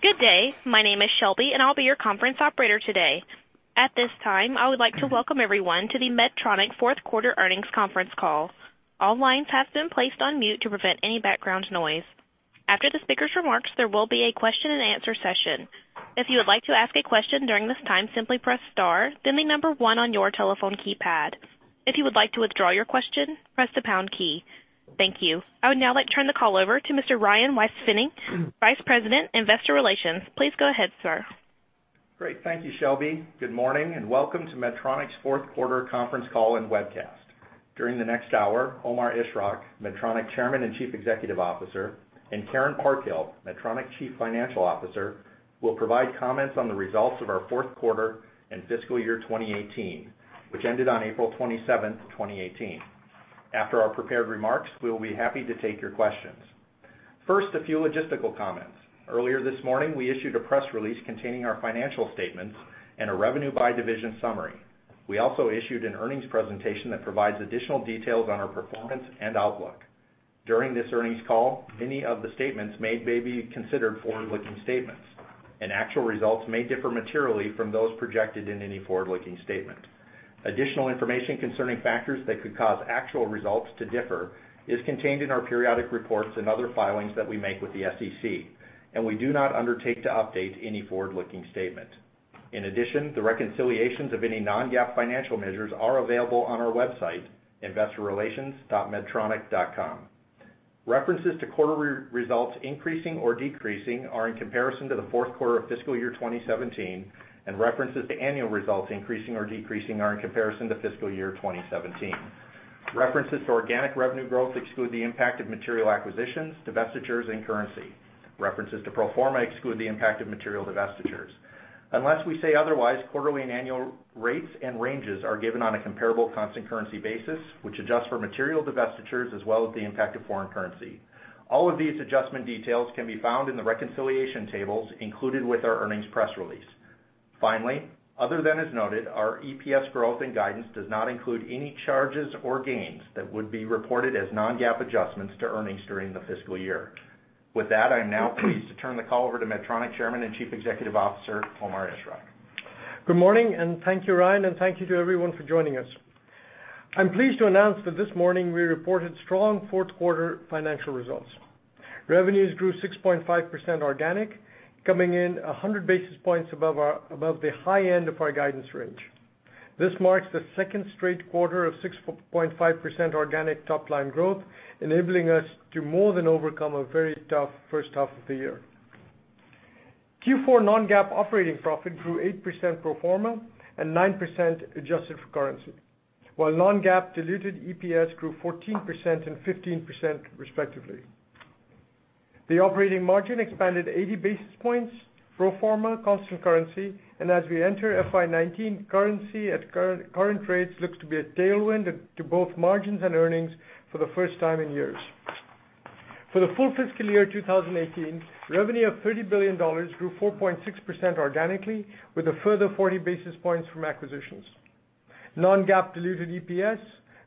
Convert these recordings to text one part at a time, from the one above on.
Good day. My name is Shelby, and I'll be your conference operator today. At this time, I would like to welcome everyone to the Medtronic fourth quarter earnings conference call. All lines have been placed on mute to prevent any background noise. After the speaker's remarks, there will be a question and answer session. If you would like to ask a question during this time, simply press star, then 1 on your telephone keypad. If you would like to withdraw your question, press the pound key. Thank you. I would now like to turn the call over to Mr. Ryan Weispfenning, Vice President, Investor Relations. Please go ahead, sir. Great. Thank you, Shelby. Good morning, and welcome to Medtronic's fourth quarter conference call and webcast. During the next hour, Omar Ishrak, Medtronic Chairman and Chief Executive Officer, and Karen Parkhill, Medtronic Chief Financial Officer, will provide comments on the results of our fourth quarter and fiscal year 2018, which ended on April 27th, 2018. After our prepared remarks, we will be happy to take your questions. First, a few logistical comments. Earlier this morning, we issued a press release containing our financial statements and a revenue by division summary. We also issued an earnings presentation that provides additional details on our performance and outlook. During this earnings call, many of the statements made may be considered forward-looking statements. Actual results may differ materially from those projected in any forward-looking statement. Additional information concerning factors that could cause actual results to differ is contained in our periodic reports and other filings that we make with the SEC. We do not undertake to update any forward-looking statement. In addition, the reconciliations of any non-GAAP financial measures are available on our website, investorrelations.medtronic.com. References to quarter results increasing or decreasing are in comparison to the fourth quarter of fiscal year 2017. References to annual results increasing or decreasing are in comparison to fiscal year 2017. References to organic revenue growth exclude the impact of material acquisitions, divestitures, and currency. References to pro forma exclude the impact of material divestitures. Unless we say otherwise, quarterly and annual rates and ranges are given on a comparable constant currency basis, which adjusts for material divestitures as well as the impact of foreign currency. All of these adjustment details can be found in the reconciliation tables included with our earnings press release. Finally, other than as noted, our EPS growth and guidance does not include any charges or gains that would be reported as non-GAAP adjustments to earnings during the fiscal year. With that, I am now pleased to turn the call over to Medtronic Chairman and Chief Executive Officer, Omar Ishrak. Good morning, and thank you, Ryan, and thank you to everyone for joining us. I'm pleased to announce that this morning, we reported strong fourth-quarter financial results. Revenues grew 6.5% organic, coming in 100 basis points above the high end of our guidance range. This marks the second straight quarter of 6.5% organic top-line growth, enabling us to more than overcome a very tough first half of the year. Q4 non-GAAP operating profit grew 8% pro forma and 9% adjusted for currency, while non-GAAP diluted EPS grew 14% and 15% respectively. The operating margin expanded 80 basis points pro forma constant currency, and as we enter FY 2019, currency at current rates looks to be a tailwind to both margins and earnings for the first time in years. For the full fiscal year 2018, revenue of $30 billion grew 4.6% organically with a further 40 basis points from acquisitions. Non-GAAP diluted EPS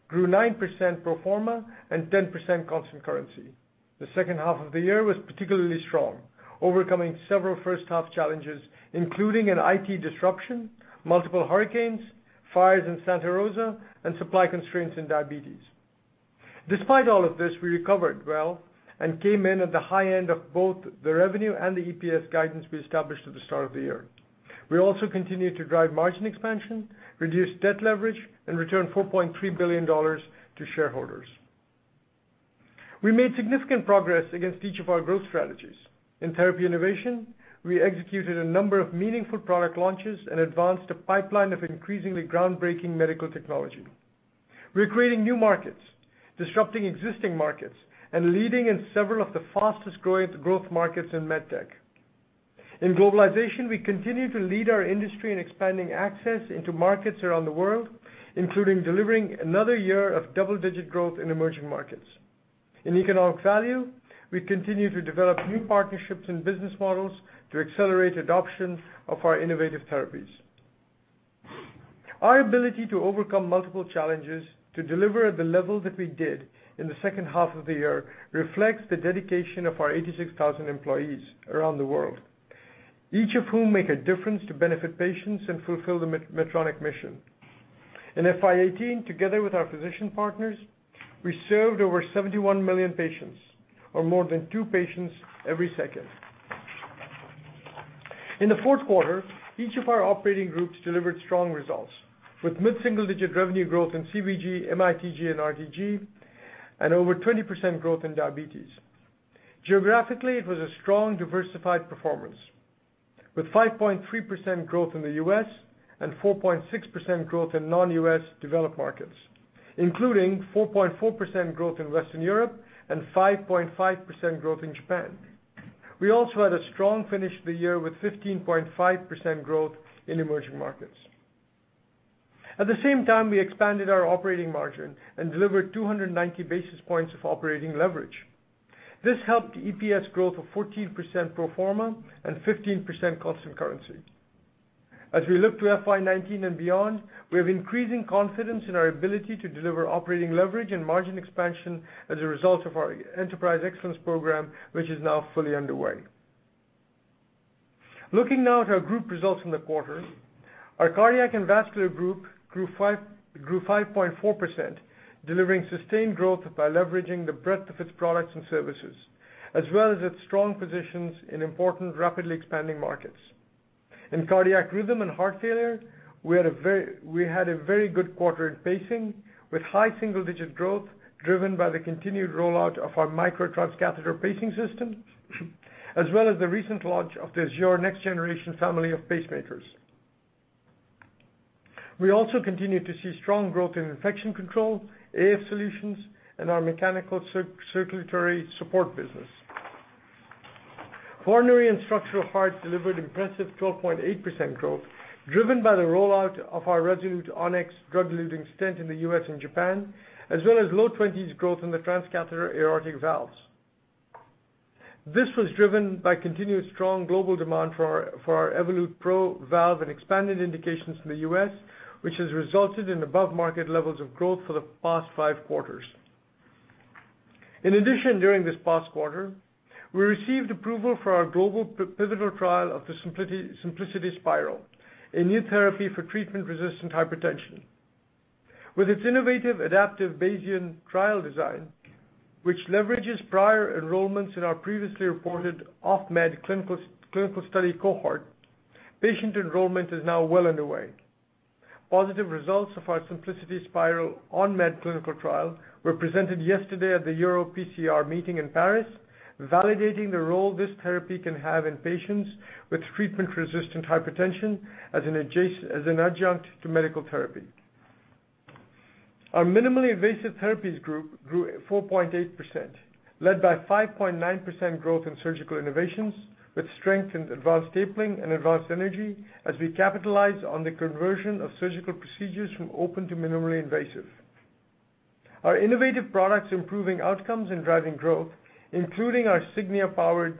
grew 9% pro forma and 10% constant currency. The second half of the year was particularly strong, overcoming several first-half challenges, including an IT disruption, multiple hurricanes, fires in Santa Rosa, and supply constraints in diabetes. Despite all of this, we recovered well and came in at the high end of both the revenue and the EPS guidance we established at the start of the year. We also continued to drive margin expansion, reduced debt leverage, and returned $4.3 billion to shareholders. We made significant progress against each of our growth strategies. In therapy innovation, we executed a number of meaningful product launches and advanced a pipeline of increasingly groundbreaking medical technology. We're creating new markets, disrupting existing markets, and leading in several of the fastest growth markets in med tech. In globalization, we continue to lead our industry in expanding access into markets around the world, including delivering another year of double-digit growth in emerging markets. In economic value, we continue to develop new partnerships and business models to accelerate adoption of our innovative therapies. Our ability to overcome multiple challenges to deliver at the level that we did in the second half of the year reflects the dedication of our 86,000 employees around the world, each of whom make a difference to benefit patients and fulfill the Medtronic mission. In FY 2018, together with our physician partners, we served over 71 million patients or more than two patients every second. In the fourth quarter, each of our operating groups delivered strong results with mid-single-digit revenue growth in CVG, MITG, and RTG and over 20% growth in diabetes. Geographically, it was a strong, diversified performance with 5.3% growth in the U.S. and 4.6% growth in non-U.S. developed markets, including 4.4% growth in Western Europe and 5.5% growth in Japan. We also had a strong finish to the year with 15.5% growth in emerging markets. At the same time, we expanded our operating margin and delivered 290 basis points of operating leverage. This helped EPS growth of 14% pro forma and 15% constant currency. As we look to FY 2019 and beyond, we have increasing confidence in our ability to deliver operating leverage and margin expansion as a result of our Enterprise Excellence program, which is now fully underway. Looking now at our group results in the quarter. Our Cardiac and Vascular Group grew 5.4%, delivering sustained growth by leveraging the breadth of its products and services, as well as its strong positions in important, rapidly expanding markets. In cardiac rhythm and heart failure, we had a very good quarter in pacing, with high single-digit growth driven by the continued rollout of our Micra Transcatheter pacing system, as well as the recent launch of the Azure next-generation family of pacemakers. We also continue to see strong growth in infection control, AF solutions, and our mechanical circulatory support business. Coronary and structural heart delivered impressive 12.8% growth, driven by the rollout of our Resolute Onyx drug-eluting stent in the U.S. and Japan, as well as low 20s growth in the transcatheter aortic valves. This was driven by continued strong global demand for our Evolut PRO valve and expanded indications in the U.S., which has resulted in above-market levels of growth for the past five quarters. In addition, during this past quarter, we received approval for our global pivotal trial of the Symplicity Spyral, a new therapy for treatment-resistant hypertension. With its innovative adaptive Bayesian trial design, which leverages prior enrollments in our previously reported off-med clinical study cohort, patient enrollment is now well underway. Positive results of our Symplicity Spyral on-med clinical trial were presented yesterday at the EuroPCR meeting in Paris, validating the role this therapy can have in patients with treatment-resistant hypertension as an adjunct to medical therapy. Our Minimally Invasive Therapies Group grew 4.8%, led by 5.9% growth in surgical innovations, with strength in advanced stapling and advanced energy as we capitalize on the conversion of surgical procedures from open to minimally invasive. Our innovative products improving outcomes and driving growth, including our Signia-powered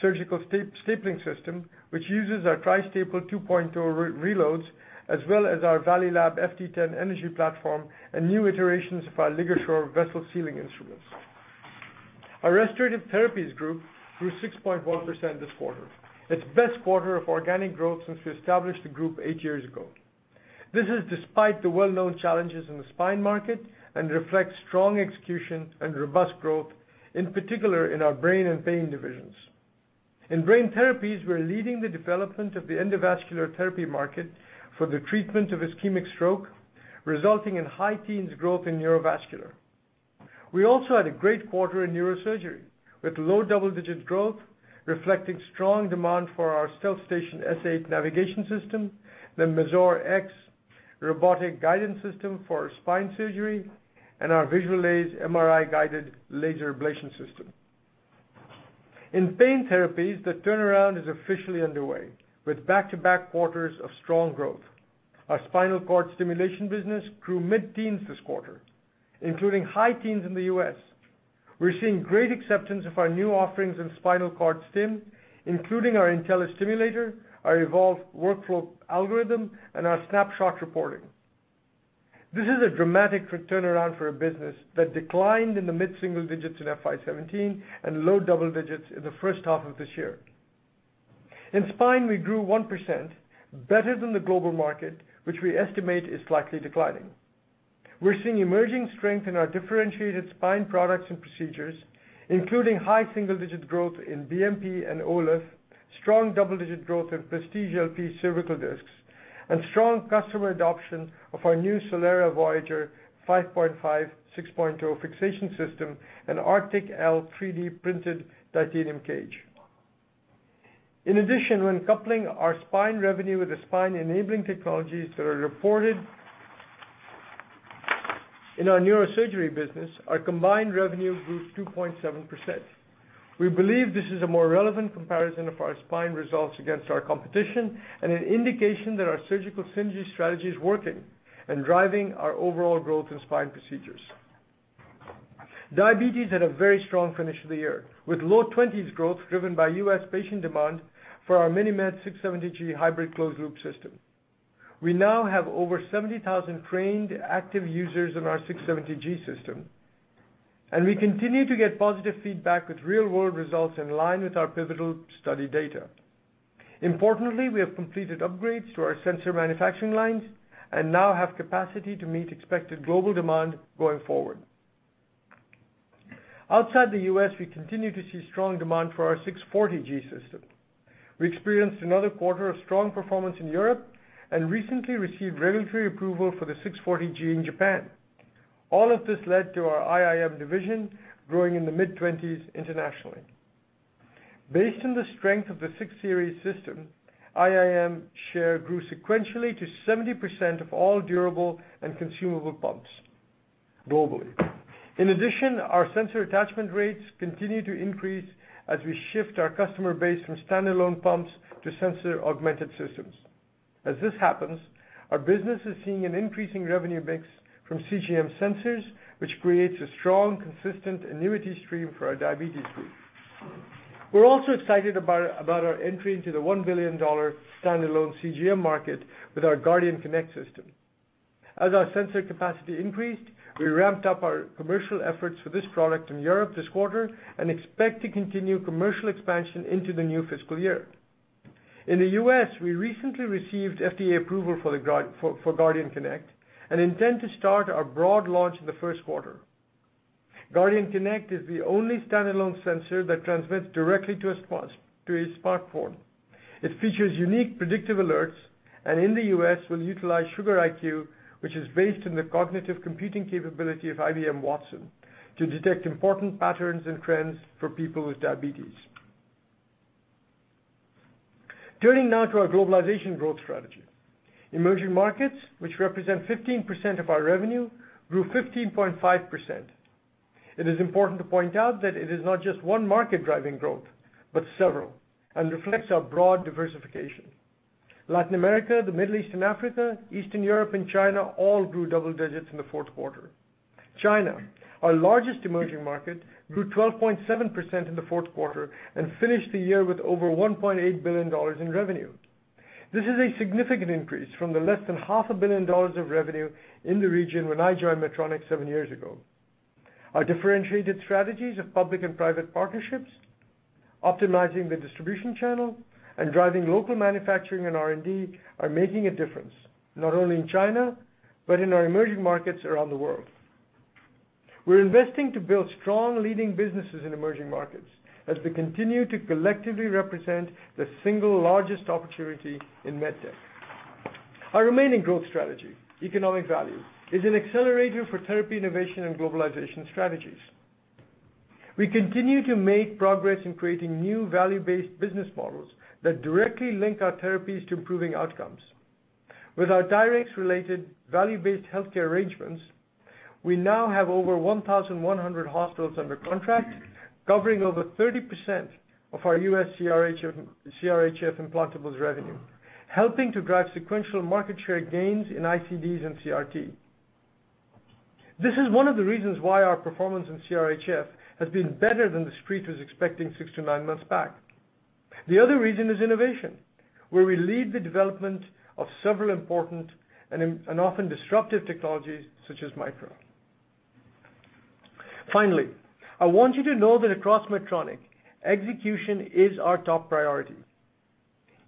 surgical stapling system, which uses our Tri-Staple 2.0 reloads, as well as our Valleylab FT10 energy platform and new iterations of our LigaSure vessel sealing instruments. Our Restorative Therapies Group grew 6.1% this quarter, its best quarter of organic growth since we established the group eight years ago. This is despite the well-known challenges in the spine market and reflects strong execution and robust growth, in particular in our brain and pain divisions. In brain therapies, we're leading the development of the endovascular therapy market for the treatment of ischemic stroke, resulting in high teens growth in neurovascular. We also had a great quarter in neurosurgery, with low double-digit growth reflecting strong demand for our StealthStation S8 navigation system, the Mazor X robotic guidance system for spine surgery, and our Visualase MRI-guided laser ablation system. In pain therapies, the turnaround is officially underway, with back-to-back quarters of strong growth. Our spinal cord stimulation business grew mid-teens this quarter, including high teens in the U.S. We're seeing great acceptance of our new offerings in spinal cord stim, including our Intellis Stimulator, our Evolve workflow algorithm, and our Snapshot reporting. This is a dramatic turnaround for a business that declined in the mid-single digits in FY 2017 and low double digits in the first half of this year. In spine, we grew 1%, better than the global market, which we estimate is slightly declining. We're seeing emerging strength in our differentiated spine products and procedures, including high single-digit growth in BMP and OLIF, strong double-digit growth in Prestige LP cervical discs, and strong customer adoption of our new CD Horizon Solera Voyager 5.5/6.0 fixation system, and ARTiC-L 3D-printed titanium cage. In addition, when coupling our spine revenue with the spine-enabling technologies that are reported in our neurosurgery business, our combined revenue grew 2.7%. We believe this is a more relevant comparison of our spine results against our competition and an indication that our surgical synergy strategy is working and driving our overall growth in spine procedures. Diabetes had a very strong finish to the year, with low 20s growth driven by U.S. patient demand for our MiniMed 670G hybrid closed-loop system. We now have over 70,000 trained, active users of our 670G system, and we continue to get positive feedback with real-world results in line with our pivotal study data. Importantly, we have completed upgrades to our sensor manufacturing lines and now have capacity to meet expected global demand going forward. Outside the U.S., we continue to see strong demand for our 640G system. We experienced another quarter of strong performance in Europe and recently received regulatory approval for the 640G in Japan. All of this led to our IIM division growing in the mid-20s internationally. Based on the strength of the 6 series system, IIM share grew sequentially to 70% of all durable and consumable pumps globally. In addition, our sensor attachment rates continue to increase as we shift our customer base from standalone pumps to sensor-augmented systems. As this happens, our business is seeing an increasing revenue mix from CGM sensors, which creates a strong, consistent annuity stream for our Diabetes Group. We're also excited about our entry into the $1 billion standalone CGM market with our Guardian Connect system. As our sensor capacity increased, we ramped up our commercial efforts for this product in Europe this quarter and expect to continue commercial expansion into the new fiscal year. In the U.S., we recently received FDA approval for Guardian Connect and intend to start our broad launch in the first quarter. Guardian Connect is the only standalone sensor that transmits directly to a smartphone. It features unique predictive alerts, and in the U.S. will utilize Sugar.IQ, which is based on the cognitive computing capability of IBM Watson, to detect important patterns and trends for people with diabetes. Turning now to our globalization growth strategy. Emerging markets, which represent 15% of our revenue, grew 15.5%. It is important to point out that it is not just one market driving growth, but several, and reflects our broad diversification. Latin America, the Middle East and Africa, Eastern Europe, and China all grew double digits in the fourth quarter. China, our largest emerging market, grew 12.7% in the fourth quarter and finished the year with over $1.8 billion in revenue. This is a significant increase from the less than half a billion dollars of revenue in the region when I joined Medtronic seven years ago. Our differentiated strategies of public and private partnerships, optimizing the distribution channel, and driving local manufacturing and R&D are making a difference not only in China but in our emerging markets around the world. We're investing to build strong, leading businesses in emerging markets as we continue to collectively represent the single largest opportunity in med tech. Our remaining growth strategy, economic value, is an accelerator for therapy innovation and globalization strategies. We continue to make progress in creating new value-based business models that directly link our therapies to improving outcomes. With our TYRX-related value-based healthcare arrangements, we now have over 1,100 hospitals under contract, covering over 30% of our U.S. CRHF implantables revenue, helping to drive sequential market share gains in ICDs and CRT. This is one of the reasons why our performance in CRHF has been better than the street was expecting six to nine months back. The other reason is innovation, where we lead the development of several important and often disruptive technologies such as Micra. Finally, I want you to know that across Medtronic, execution is our top priority.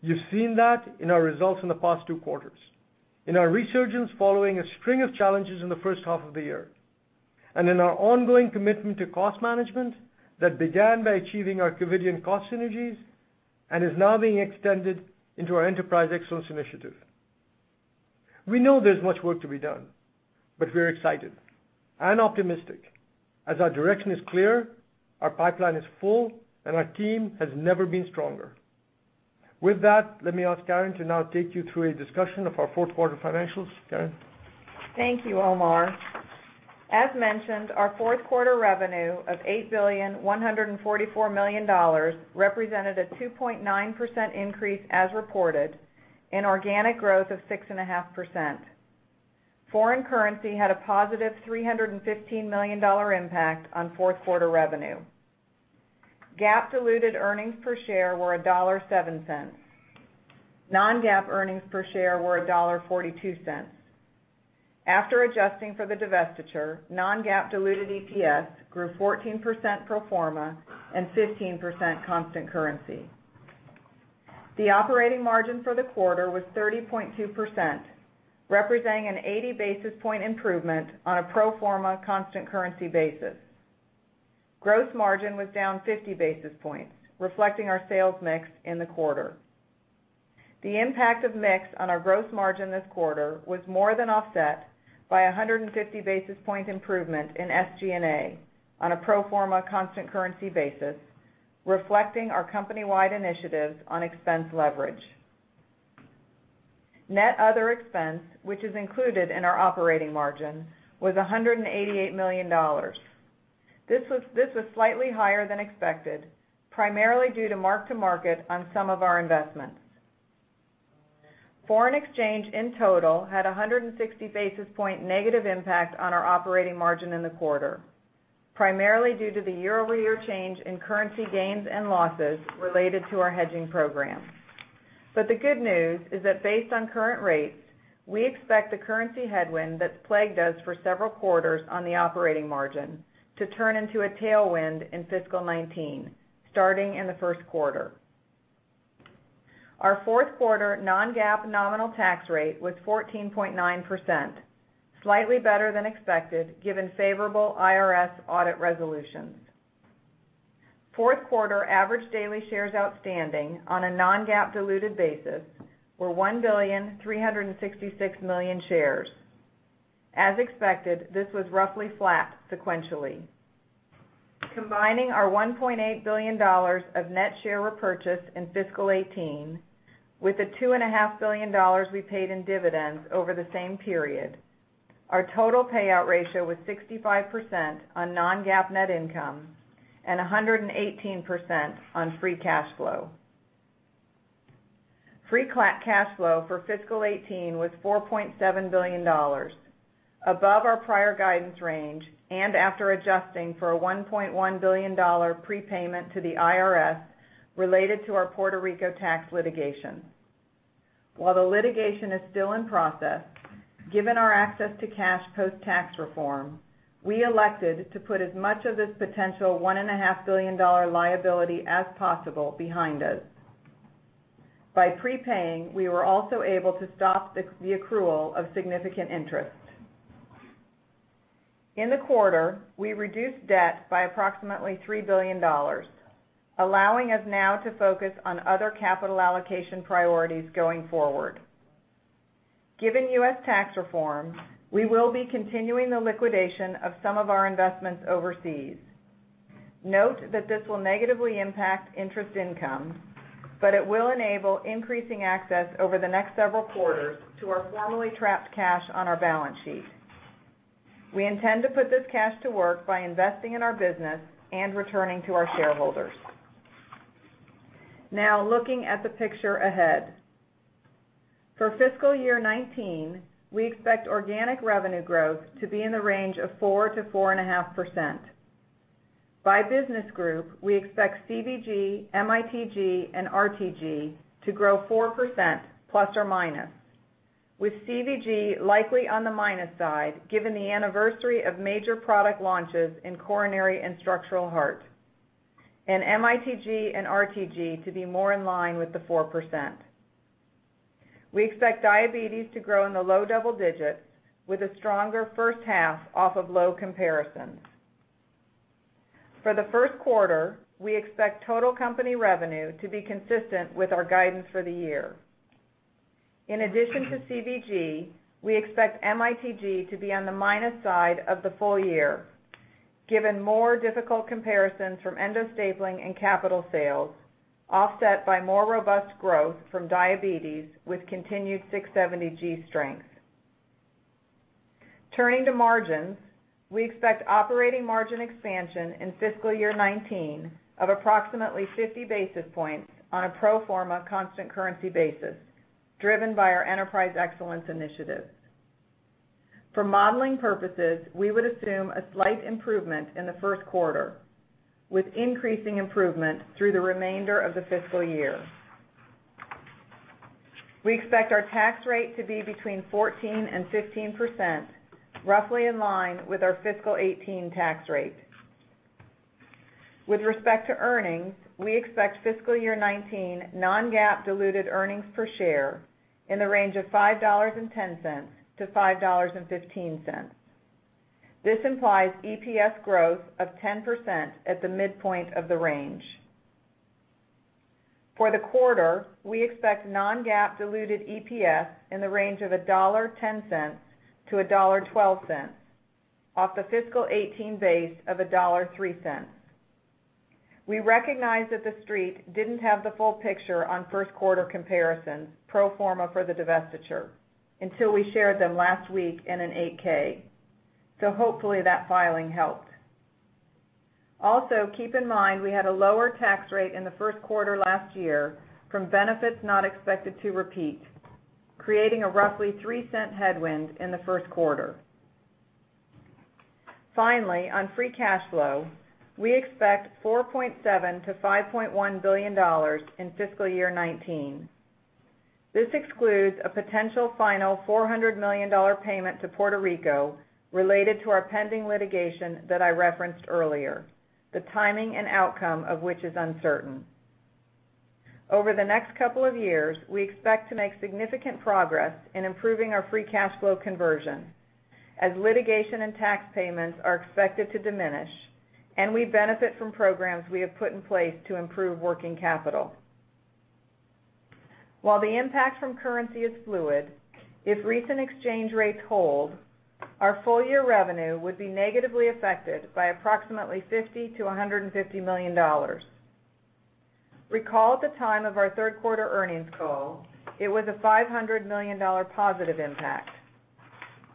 You've seen that in our results in the past two quarters, in our resurgence following a string of challenges in the first half of the year, and in our ongoing commitment to cost management that began by achieving our Covidien cost synergies and is now being extended into our Enterprise Excellence Initiative. We know there's much work to be done, but we're excited and optimistic as our direction is clear, our pipeline is full, and our team has never been stronger. With that, let me ask Karen to now take you through a discussion of our fourth quarter financials. Karen? Thank you, Omar. As mentioned, our fourth quarter revenue of $8,144,000,000 represented a 2.9% increase as reported and organic growth of 6.5%. Foreign currency had a positive $315 million impact on fourth quarter revenue. GAAP diluted earnings per share were $1.07. Non-GAAP earnings per share were $1.42. After adjusting for the divestiture, non-GAAP diluted EPS grew 14% pro forma and 15% constant currency. The operating margin for the quarter was 30.2%, representing an 80 basis point improvement on a pro forma constant currency basis. Gross margin was down 50 basis points, reflecting our sales mix in the quarter. The impact of mix on our gross margin this quarter was more than offset by 150 basis point improvement in SG&A on a pro forma constant currency basis, reflecting our company-wide initiatives on expense leverage. Net other expense, which is included in our operating margin, was $188 million. This was slightly higher than expected, primarily due to mark to market on some of our investments. Foreign exchange in total had 160 basis point negative impact on our operating margin in the quarter, primarily due to the year-over-year change in currency gains and losses related to our hedging program. The good news is that based on current rates, we expect the currency headwind that's plagued us for several quarters on the operating margin to turn into a tailwind in fiscal 2019, starting in the first quarter. Our fourth quarter non-GAAP nominal tax rate was 14.9%, slightly better than expected given favorable IRS audit resolutions. Fourth quarter average daily shares outstanding on a non-GAAP diluted basis were 1,366,000,000 shares. As expected, this was roughly flat sequentially. Combining our $1.8 billion of net share repurchase in fiscal 2018 with the $2.5 billion we paid in dividends over the same period, our total payout ratio was 65% on non-GAAP net income and 118% on free cash flow. Free cash flow for fiscal 2018 was $4.7 billion, above our prior guidance range, and after adjusting for a $1.1 billion prepayment to the IRS related to our Puerto Rico tax litigation. While the litigation is still in process, given our access to cash post-tax reform, we elected to put as much of this potential $1.5 billion liability as possible behind us. By prepaying, we were also able to stop the accrual of significant interest. In the quarter, we reduced debt by approximately $3 billion, allowing us now to focus on other capital allocation priorities going forward. Given U.S. tax reform, we will be continuing the liquidation of some of our investments overseas. Note that this will negatively impact interest income, but it will enable increasing access over the next several quarters to our formerly trapped cash on our balance sheet. We intend to put this cash to work by investing in our business and returning to our shareholders. Now, looking at the picture ahead. For fiscal year 2019, we expect organic revenue growth to be in the range of 4%-4.5%. By business group, we expect CVG, MITG, and RTG to grow 4% plus or minus. With CVG likely on the minus side, given the anniversary of major product launches in coronary and structural heart, and MITG and RTG to be more in line with the 4%. We expect diabetes to grow in the low double digits with a stronger first half off of low comparisons. For the first quarter, we expect total company revenue to be consistent with our guidance for the year. In addition to CVG, we expect MITG to be on the minus side of the full year, given more difficult comparisons from endostapling and capital sales, offset by more robust growth from diabetes with continued 670G strength. Turning to margins, we expect operating margin expansion in fiscal year 2019 of approximately 50 basis points on a pro forma constant currency basis, driven by our Enterprise Excellence Initiatives. For modeling purposes, we would assume a slight improvement in the first quarter, with increasing improvement through the remainder of the fiscal year. We expect our tax rate to be between 14% and 15%, roughly in line with our fiscal 2018 tax rate. With respect to earnings, we expect fiscal year 2019 non-GAAP diluted earnings per share in the range of $5.10-$5.15. This implies EPS growth of 10% at the midpoint of the range. For the quarter, we expect non-GAAP diluted EPS in the range of $1.10-$1.12 off the fiscal 2018 base of $1.03. We recognize that the Street didn't have the full picture on first quarter comparisons, pro forma for the divestiture, until we shared them last week in an 8-K. Hopefully, that filing helped. Also, keep in mind, we had a lower tax rate in the first quarter last year from benefits not expected to repeat, creating a roughly $0.03 headwind in the first quarter. Finally, on free cash flow, we expect $4.7 billion-$5.1 billion in fiscal year 2019. This excludes a potential final $400 million payment to Puerto Rico related to our pending litigation that I referenced earlier, the timing and outcome of which is uncertain. Over the next couple of years, we expect to make significant progress in improving our free cash flow conversion as litigation and tax payments are expected to diminish, and we benefit from programs we have put in place to improve working capital. While the impact from currency is fluid, if recent exchange rates hold, our full year revenue would be negatively affected by approximately $50 million-$150 million. Recall at the time of our third quarter earnings call, it was a $500 million positive impact.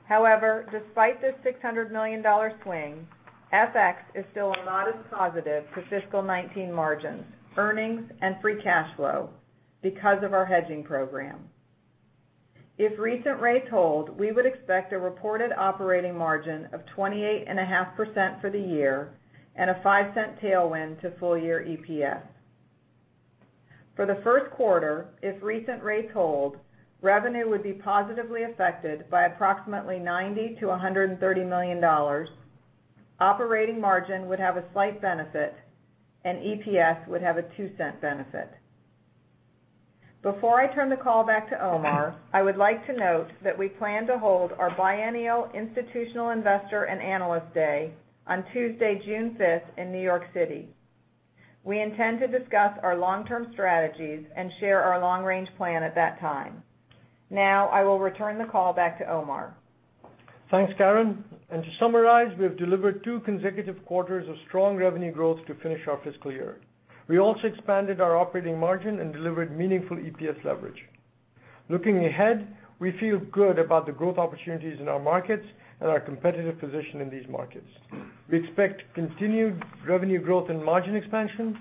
Despite this $600 million swing, FX is still a modest positive to fiscal 2019 margins, earnings, and free cash flow because of our hedging program. If recent rates hold, we would expect a reported operating margin of 28.5% for the year and a $0.05 tailwind to full year EPS. For the first quarter, if recent rates hold, revenue would be positively affected by approximately $90 million-$130 million, operating margin would have a slight benefit, and EPS would have a $0.02 benefit. Before I turn the call back to Omar, I would like to note that we plan to hold our biennial Institutional Investor and Analyst Day on Tuesday, June 5th in New York City. We intend to discuss our long-term strategies and share our long-range plan at that time. I will return the call back to Omar. Thanks, Karen. To summarize, we have delivered two consecutive quarters of strong revenue growth to finish our fiscal year. We also expanded our operating margin and delivered meaningful EPS leverage. Looking ahead, we feel good about the growth opportunities in our markets and our competitive position in these markets. We expect continued revenue growth and margin expansion.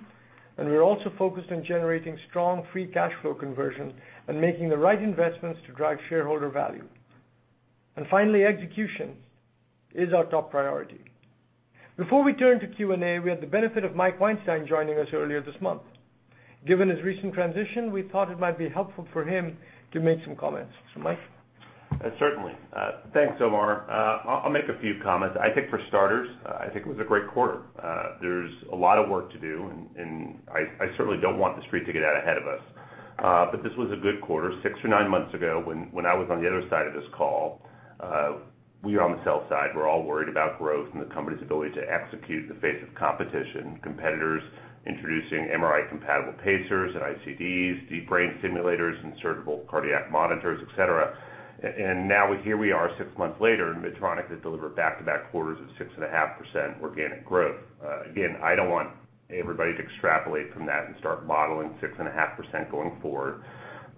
We're also focused on generating strong free cash flow conversion and making the right investments to drive shareholder value. Finally, execution is our top priority. Before we turn to Q&A, we had the benefit of Mike Weinstein joining us earlier this month. Given his recent transition, we thought it might be helpful for him to make some comments. Mike? Certainly. Thanks, Omar. I'll make a few comments. I think for starters, it was a great quarter. There's a lot of work to do. I certainly don't want the street to get out ahead of us. This was a good quarter. Six or nine months ago, when I was on the other side of this call, we on the sales side were all worried about growth and the company's ability to execute in the face of competition, competitors introducing MRI-compatible pacers and ICDs, deep brain simulators, insertable cardiac monitors, et cetera. Now here we are six months later, Medtronic has delivered back-to-back quarters of six and a half percent organic growth. Again, I don't want everybody to extrapolate from that and start modeling six and a half percent going forward.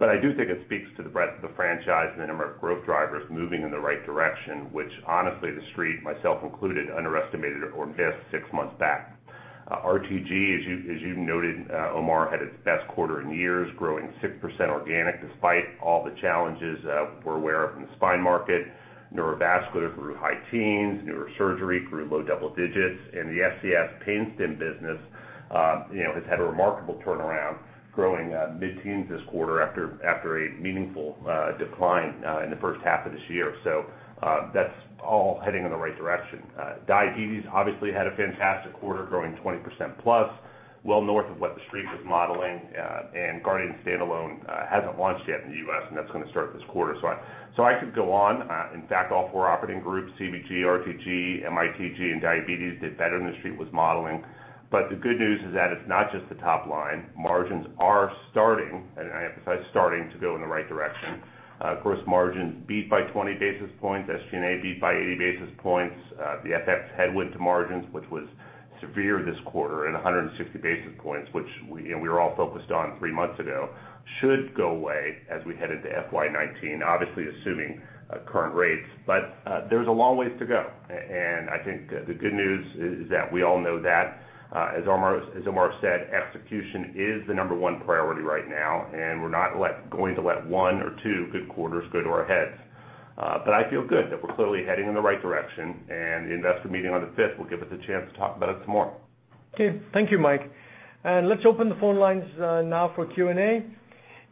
I do think it speaks to the breadth of the franchise and the number of growth drivers moving in the right direction, which honestly, the street, myself included, underestimated or missed six months back. RTG, as you noted, Omar, had its best quarter in years, growing 6% organic, despite all the challenges we're aware of in the spine market. Neurovascular grew high teens, neurosurgery grew low double digits, and the SCS pain stim business has had a remarkable turnaround, growing mid-teens this quarter after a meaningful decline in the first half of this year. That's all heading in the right direction. Diabetes obviously had a fantastic quarter, growing 20% plus, well north of what the street was modeling. Guardian standalone hasn't launched yet in the U.S., and that's going to start this quarter. I could go on. In fact, all four operating groups, CVG, RTG, MITG, and Diabetes did better than the street was modeling. The good news is that it's not just the top line. Margins are starting, and I emphasize starting, to go in the right direction. Gross margins beat by 20 basis points, SG&A beat by 80 basis points. The FX headwind to margins, which was severe this quarter, at 160 basis points, which we were all focused on three months ago, should go away as we head into FY 2019, obviously assuming current rates. There's a long ways to go, and I think the good news is that we all know that. As Omar said, execution is the number one priority right now, and we're not going to let one or two good quarters go to our heads. I feel good that we're clearly heading in the right direction, the investor meeting on the fifth will give us a chance to talk about it some more. Okay. Thank you, Mike. Let's open the phone lines now for Q&A.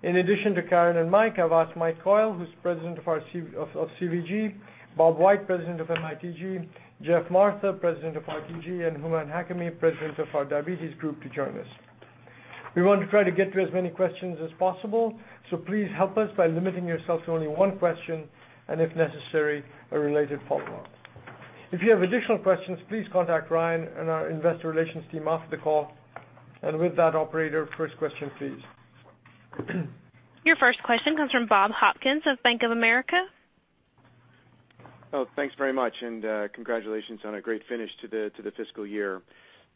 In addition to Karen and Mike, I've asked Mike Coyle, who's President of CVG, Bob White, President of MITG, Geoff Martha, President of RTG, and Hooman Hakami, President of our Diabetes Group, to join us. We want to try to get to as many questions as possible, so please help us by limiting yourself to only one question, and if necessary, a related follow-up. If you have additional questions, please contact Ryan and our investor relations team after the call. With that, operator, first question, please. Your first question comes from Bob Hopkins of Bank of America. Thanks very much, congratulations on a great finish to the fiscal year.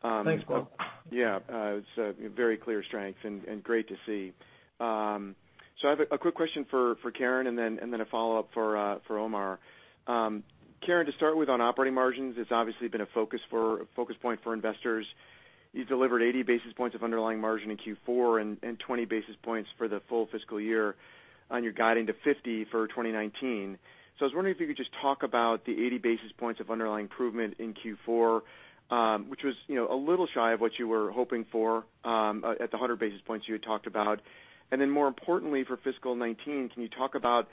Thanks, Bob. Yeah. It's a very clear strength and great to see. I have a quick question for Karen and then a follow-up for Omar. Karen, to start with on operating margins, it's obviously been a focus point for investors. You delivered 80 basis points of underlying margin in Q4 and 20 basis points for the full fiscal year, you're guiding to 50 for 2019. I was wondering if you could just talk about the 80 basis points of underlying improvement in Q4, which was a little shy of what you were hoping for at the 100 basis points you had talked about. More importantly, for fiscal 2019, can you talk about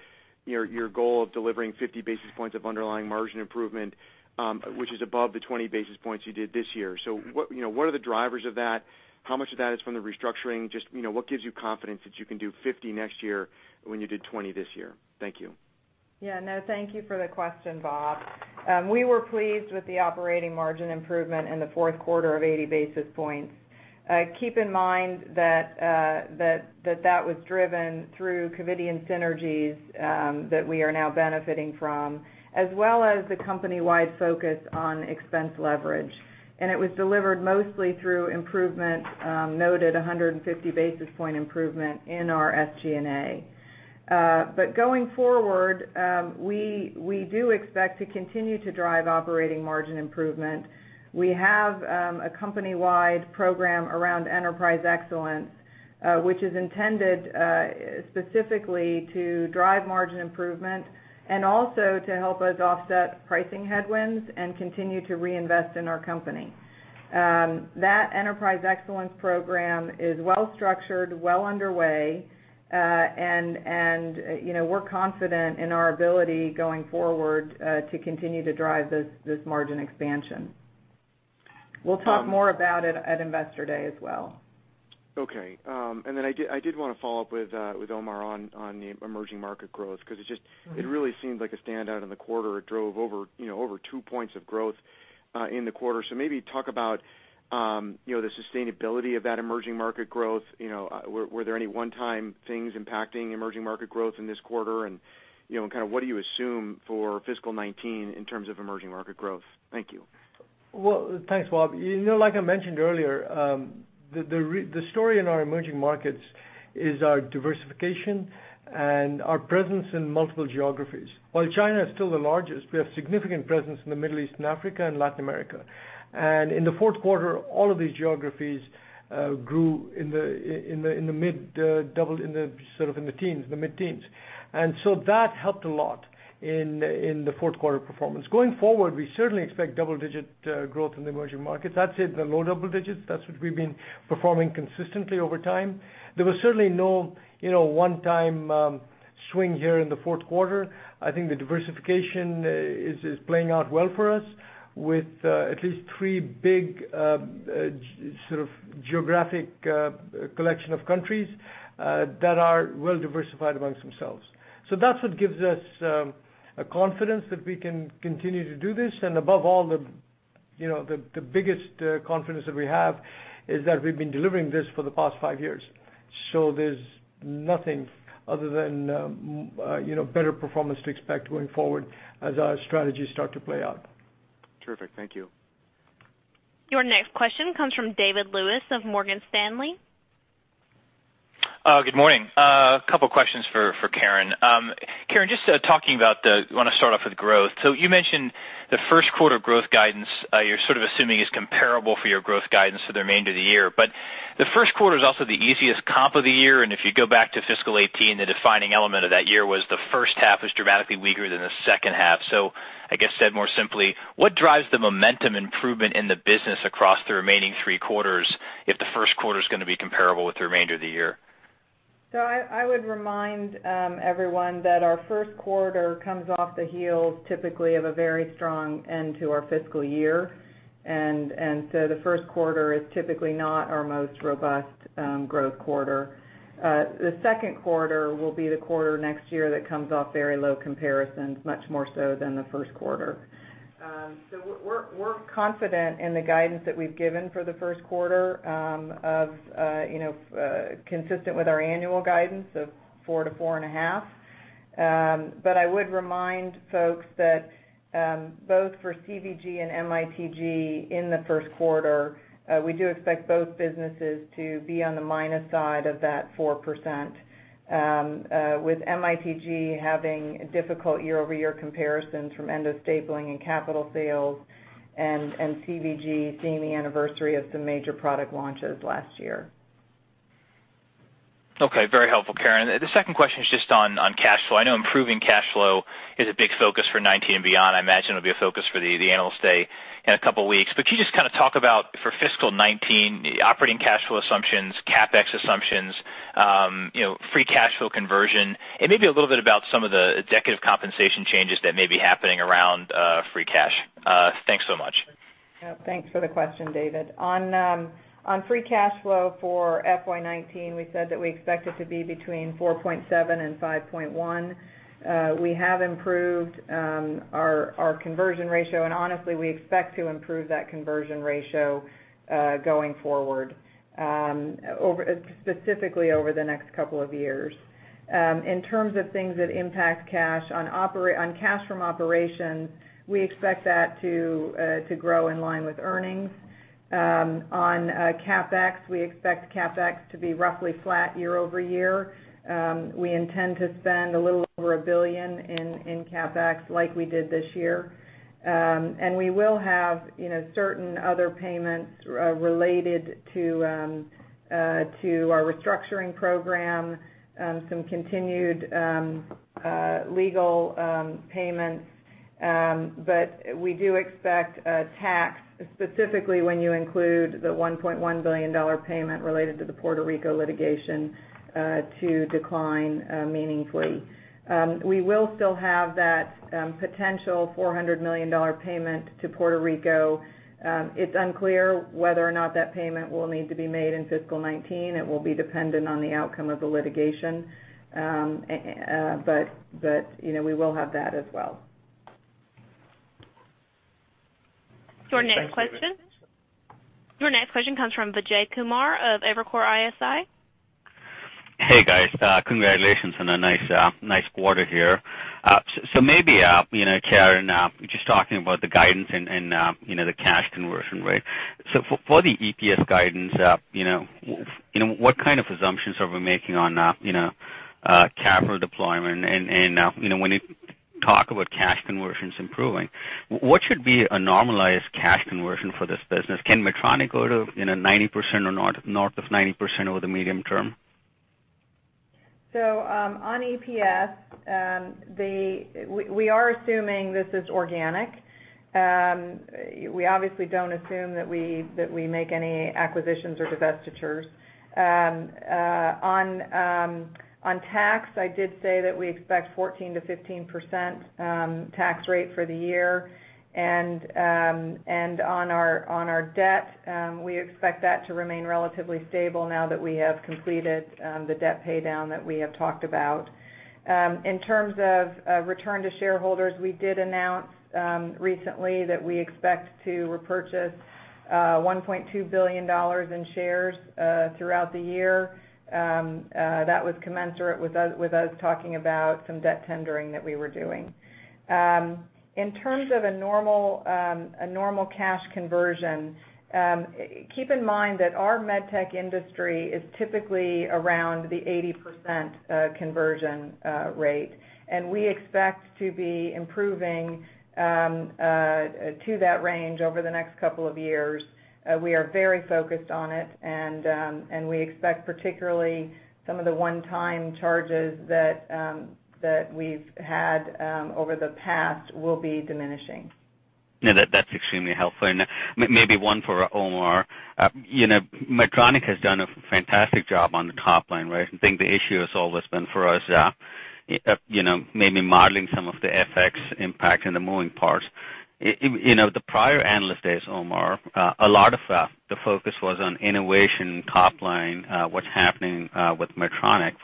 your goal of delivering 50 basis points of underlying margin improvement, which is above the 20 basis points you did this year? What are the drivers of that? How much of that is from the restructuring? Just what gives you confidence that you can do 50 next year when you did 20 this year? Thank you. Yeah, no, thank you for the question, Bob. We were pleased with the operating margin improvement in the fourth quarter of 80 basis points. Keep in mind that that was driven through Covidien synergies that we are now benefiting from, as well as the company-wide focus on expense leverage. It was delivered mostly through improvement, noted 150 basis point improvement in our SG&A. Going forward, we do expect to continue to drive operating margin improvement. We have a company-wide program around Enterprise Excellence, which is intended specifically to drive margin improvement and also to help us offset pricing headwinds and continue to reinvest in our company. That Enterprise Excellence Program is well-structured, well underway, and we're confident in our ability going forward to continue to drive this margin expansion. We'll talk more about it at Investor Day as well. Okay. I did want to follow up with Omar on the emerging market growth, because it really seemed like a standout in the quarter. It drove over two points of growth in the quarter. Maybe talk about the sustainability of that emerging market growth. Were there any one-time things impacting emerging market growth in this quarter? What do you assume for fiscal 2019 in terms of emerging market growth? Thank you. Well, thanks, Bob. Like I mentioned earlier, the story in our emerging markets is our diversification and our presence in multiple geographies. While China is still the largest, we have significant presence in the Middle East and Africa and Latin America. In the fourth quarter, all of these geographies grew in the mid teens. That helped a lot in the fourth quarter performance. Going forward, we certainly expect double-digit growth in the emerging markets. That said, the low double digits, that's what we've been performing consistently over time. There was certainly no one-time swing here in the fourth quarter. I think the diversification is playing out well for us with at least three big geographic collection of countries that are well diversified amongst themselves. That's what gives us a confidence that we can continue to do this. Above all, the biggest confidence that we have is that we've been delivering this for the past five years. There's nothing other than better performance to expect going forward as our strategies start to play out. Terrific. Thank you. Your next question comes from David Lewis of Morgan Stanley. Good morning. A couple questions for Karen. Karen, just talking about the, want to start off with growth. You mentioned the first quarter growth guidance, you're sort of assuming is comparable for your growth guidance for the remainder of the year. But the first quarter is also the easiest comp of the year, and if you go back to fiscal 2018, the defining element of that year was the first half was dramatically weaker than the second half. I guess said more simply, what drives the momentum improvement in the business across the remaining three quarters if the first quarter's going to be comparable with the remainder of the year? I would remind everyone that our first quarter comes off the heels typically of a very strong end to our fiscal year. The first quarter is typically not our most robust growth quarter. The second quarter will be the quarter next year that comes off very low comparisons, much more so than the first quarter. We're confident in the guidance that we've given for the first quarter, consistent with our annual guidance of 4%-4.5%. I would remind folks that both for CVG and MITG in the first quarter, we do expect both businesses to be on the minus side of that 4%, with MITG having difficult year-over-year comparisons from endostapling and capital sales, and CVG seeing the anniversary of some major product launches last year. Okay. Very helpful, Karen. The second question is just on cash flow. I know improving cash flow is a big focus for 2019 and beyond. I imagine it'll be a focus for the Analyst Day in a couple of weeks. Can you just kind of talk about for fiscal 2019, operating cash flow assumptions, CapEx assumptions, free cash flow conversion, and maybe a little bit about some of the executive compensation changes that may be happening around free cash. Thanks so much. Thanks for the question, David. On free cash flow for FY 2019, we said that we expect it to be between $4.7 billion-$5.1 billion. We have improved our conversion ratio, and honestly, we expect to improve that conversion ratio going forward, specifically over the next couple of years. In terms of things that impact cash, on cash from operations, we expect that to grow in line with earnings. On CapEx, we expect CapEx to be roughly flat year-over-year. We intend to spend $1 billion in CapEx like we did this year. We will have certain other payments related to our restructuring program, some continued legal payments. We do expect tax, specifically when you include the $1.1 billion payment related to the Puerto Rico litigation, to decline meaningfully. We will still have that potential $400 million payment to Puerto Rico. It's unclear whether or not that payment will need to be made in fiscal 2019. It will be dependent on the outcome of the litigation. We will have that as well. Your next question- Thanks, David. Your next question comes from Vijay Kumar of Evercore ISI. Hey, guys. Congratulations on a nice quarter here. Maybe, Karen, just talking about the guidance and the cash conversion rate. For the EPS guidance, what kind of assumptions are we making on capital deployment? When you talk about cash conversions improving, what should be a normalized cash conversion for this business? Can Medtronic go to 90% or north of 90% over the medium term? On EPS, we are assuming this is organic. We obviously don't assume that we make any acquisitions or divestitures. On tax, I did say that we expect 14%-15% tax rate for the year. On our debt, we expect that to remain relatively stable now that we have completed the debt pay down that we have talked about. In terms of return to shareholders, we did announce recently that we expect to repurchase $1.2 billion in shares throughout the year. That was commensurate with us talking about some debt tendering that we were doing. In terms of a normal cash conversion, keep in mind that our med tech industry is typically around the 80% conversion rate. We expect to be improving to that range over the next couple of years. We are very focused on it, and we expect particularly some of the one-time charges that we've had over the past will be diminishing. Yeah, that's extremely helpful. Maybe one for Omar. Medtronic has done a fantastic job on the top line. I think the issue has always been for us maybe modeling some of the FX impact and the moving parts. In the prior Analyst Days, Omar, a lot of the focus was on innovation, top line, what's happening with Medtronic.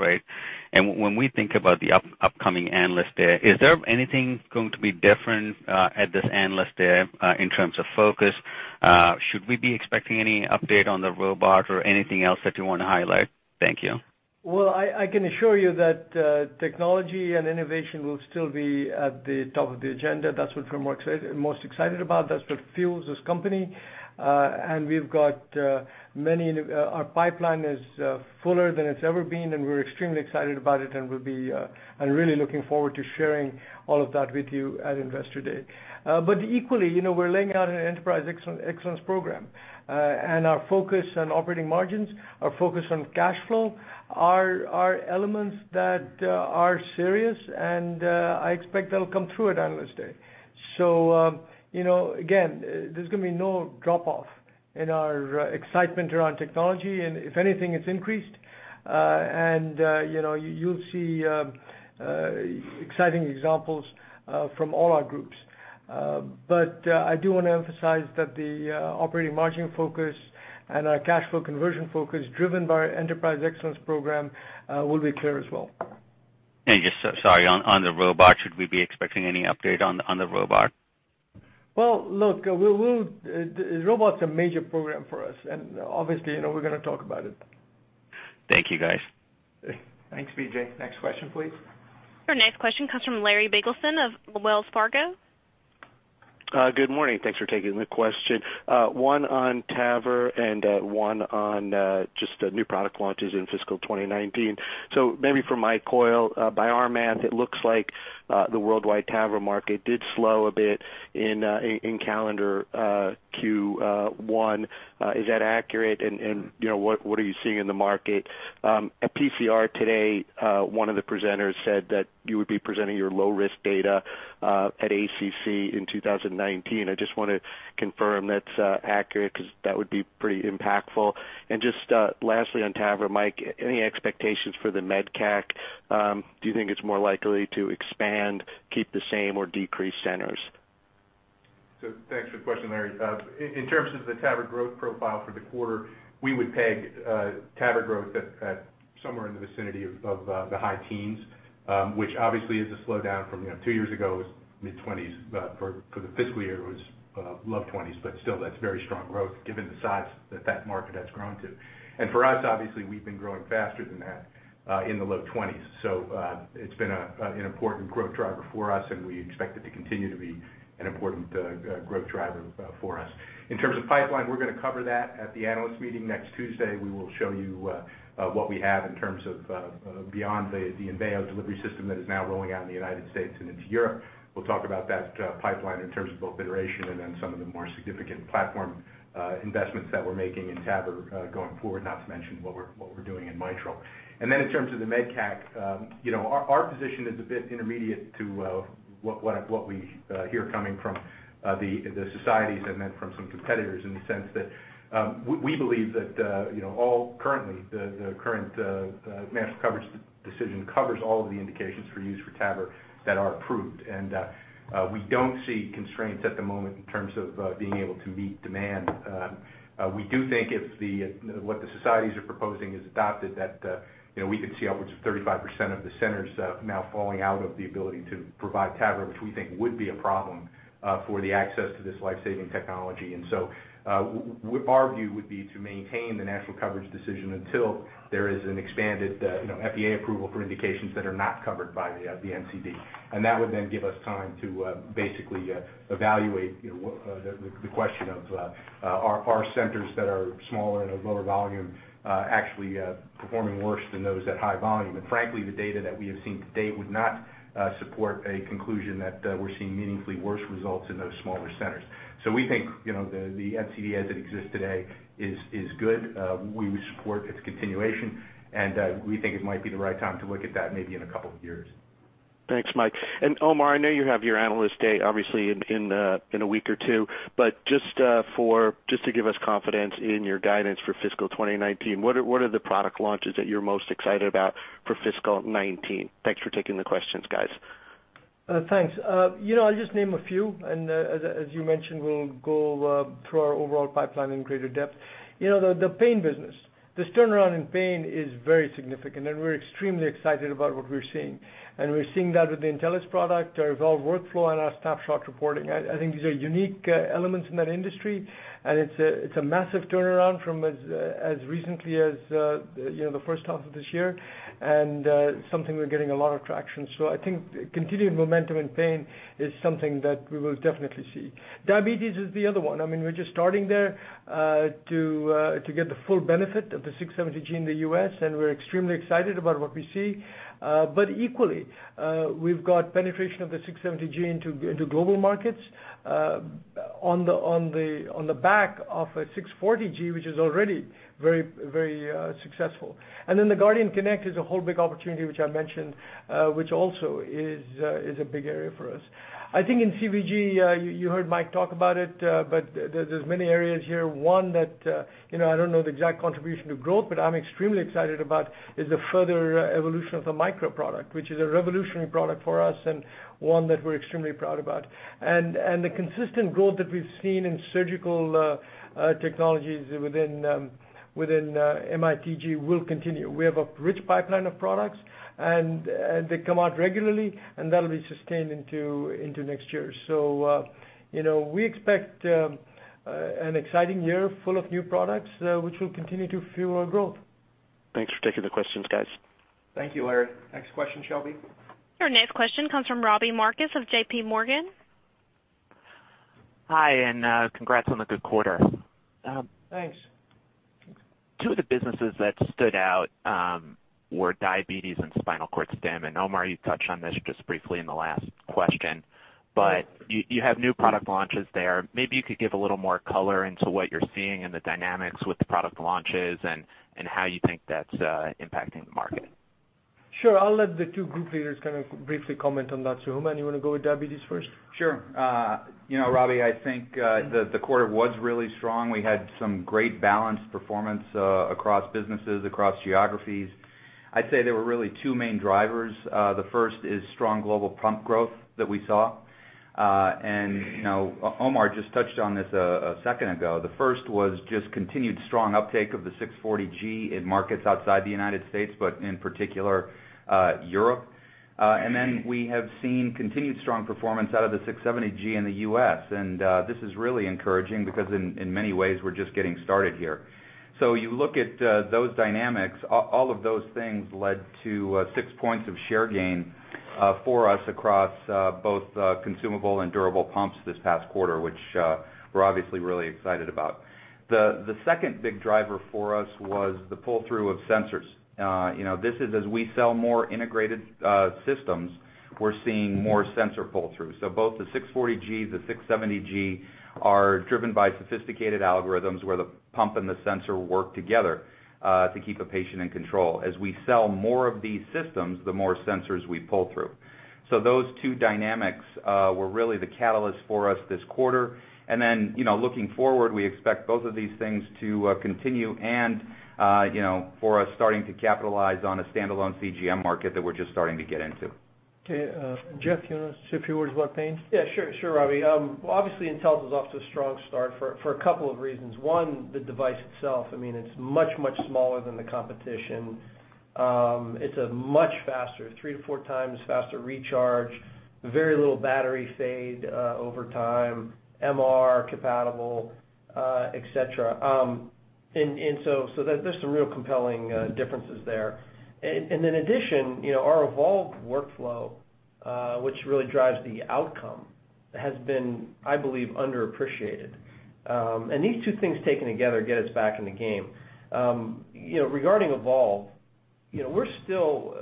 When we think about the upcoming Analyst Day, is there anything going to be different at this Analyst Day in terms of focus? Should we be expecting any update on the robot or anything else that you want to highlight? Thank you. Well, I can assure you that technology and innovation will still be at the top of the agenda. That's what we're most excited about. That's what fuels this company. Our pipeline is fuller than it's ever been, and we're extremely excited about it, and really looking forward to sharing all of that with you at Investor Day. Equally, we're laying out an Enterprise Excellence program. Our focus on operating margins, our focus on cash flow are elements that are serious, and I expect that'll come through at Analyst Day. Again, there's going to be no drop off in our excitement around technology, and if anything, it's increased. You'll see exciting examples from all our groups. I do want to emphasize that the operating margin focus and our cash flow conversion focus, driven by our Enterprise Excellence program, will be clear as well. Just, sorry, on the robot, should we be expecting any update on the robot? Well, look, robot's a major program for us, and obviously, we're going to talk about it. Thank you, guys. Thanks, Vijay. Next question, please. Sure, next question comes from Larry Biegelsen of Wells Fargo. Good morning. Thanks for taking the question. One on TAVR and one on just the new product launches in FY 2019. Maybe for Mike Coyle, by our math, it looks like the worldwide TAVR market did slow a bit in calendar Q1. Is that accurate? What are you seeing in the market? At PCR today, one of the presenters said that you would be presenting your low-risk data at ACC in 2019. I just want to confirm that's accurate, because that would be pretty impactful. Just lastly on TAVR, Mike, any expectations for the MedCAC? Do you think it's more likely to expand, keep the same, or decrease centers? Thanks for the question, Larry. In terms of the TAVR growth profile for the quarter, we would peg TAVR growth at somewhere in the vicinity of the high teens, which obviously is a slowdown from two years ago, it was mid-20s, for the fiscal year, it was low 20s, but still, that's very strong growth given the size that market has grown to. For us, obviously, we've been growing faster than that in the low 20s. It's been an important growth driver for us, and we expect it to continue to be an important growth driver for us. In terms of pipeline, we're going to cover that at the analyst meeting next Tuesday. We will show you what we have in terms of beyond the EnVeo delivery system that is now rolling out in the U.S. and into Europe. We'll talk about that pipeline in terms of both iteration and then some of the more significant platform investments that we're making in TAVR going forward, not to mention what we're doing in mitral. Then in terms of the MedCAC, our position is a bit intermediate to what we hear coming from the societies and then from some competitors in the sense that we believe that the current national coverage decision covers all of the indications for use for TAVR that are approved. We don't see constraints at the moment in terms of being able to meet demand. We do think if what the societies are proposing is adopted, that we could see upwards of 35% of the centers now falling out of the ability to provide TAVR, which we think would be a problem for the access to this life-saving technology. Our view would be to maintain the national coverage decision until there is an expanded FDA approval for indications that are not covered by the NCD. That would then give us time to basically evaluate the question of are centers that are smaller and of lower volume actually performing worse than those at high volume. Frankly, the data that we have seen to date would not support a conclusion that we're seeing meaningfully worse results in those smaller centers. We think the NCD as it exists today is good. We support its continuation, and we think it might be the right time to look at that maybe in a couple of years. Thanks, Mike. Omar, I know you have your Analyst Day obviously in a week or two, but just to give us confidence in your guidance for fiscal 2019, what are the product launches that you're most excited about for fiscal 2019? Thanks for taking the questions, guys. Thanks. I'll just name a few, and as you mentioned, we'll go through our overall pipeline in greater depth. The pain business. This turnaround in pain is very significant, and we're extremely excited about what we're seeing. We're seeing that with the Intellis product, our Evolve workflow and our Snapshot reporting. I think these are unique elements in that industry, and it's a massive turnaround from as recently as the first half of this year and something we're getting a lot of traction. I think continued momentum in pain is something that we will definitely see. Diabetes is the other one. We're just starting there to get the full benefit of the 670G in the U.S., and we're extremely excited about what we see. Equally, we've got penetration of the 670G into global markets on the back of a 640G, which is already very successful. The Guardian Connect is a whole big opportunity, which I mentioned, which also is a big area for us. I think in CVG, you heard Mike talk about it, but there's many areas here. One that, I don't know the exact contribution to growth, but I'm extremely excited about is the further evolution of the Micra product, which is a revolutionary product for us and one that we're extremely proud about. The consistent growth that we've seen in surgical technologies within MITG will continue. We have a rich pipeline of products, and they come out regularly, and that'll be sustained into next year. We expect an exciting year full of new products, which will continue to fuel our growth. Thanks for taking the questions, guys. Thank you, Larry. Next question, Shelby. Your next question comes from Robbie Marcus of JPMorgan. Hi, congrats on the good quarter. Thanks. Two of the businesses that stood out were diabetes and spinal cord stim. Omar, you touched on this just briefly in the last question. You have new product launches there. Maybe you could give a little more color into what you're seeing and the dynamics with the product launches and how you think that's impacting the market. Sure. I'll let the two group leaders kind of briefly comment on that. Hooman, you want to go with diabetes first? Sure. Robbie, I think the quarter was really strong. We had some great balanced performance across businesses, across geographies. I'd say there were really two main drivers. The first is strong global pump growth that we saw. Omar just touched on this a second ago. The first was just continued strong uptake of the 640G in markets outside the U.S., but in particular, Europe. We have seen continued strong performance out of the 670G in the U.S., and this is really encouraging because in many ways, we're just getting started here. You look at those dynamics, all of those things led to six points of share gain for us across both consumable and durable pumps this past quarter, which we're obviously really excited about. The second big driver for us was the pull-through of sensors. This is as we sell more integrated systems, we're seeing more sensor pull-through. Both the 640G, the 670G are driven by sophisticated algorithms where the pump and the sensor work together to keep a patient in control. As we sell more of these systems, the more sensors we pull through. Those two dynamics were really the catalyst for us this quarter. Looking forward, we expect both of these things to continue and for us starting to capitalize on a standalone CGM market that we're just starting to get into. Okay. Geoff, you want to say a few words about pain? Yeah, sure, Robbie. Obviously, Intellis is off to a strong start for a couple of reasons. One, the device itself, it's much, much smaller than the competition. It's a much faster, three to four times faster recharge, very little battery fade over time, MR compatible, et cetera. There's some real compelling differences there. In addition, our Evolve workflow, which really drives the outcome, has been, I believe, underappreciated. These two things taken together get us back in the game. Regarding Evolve, we're still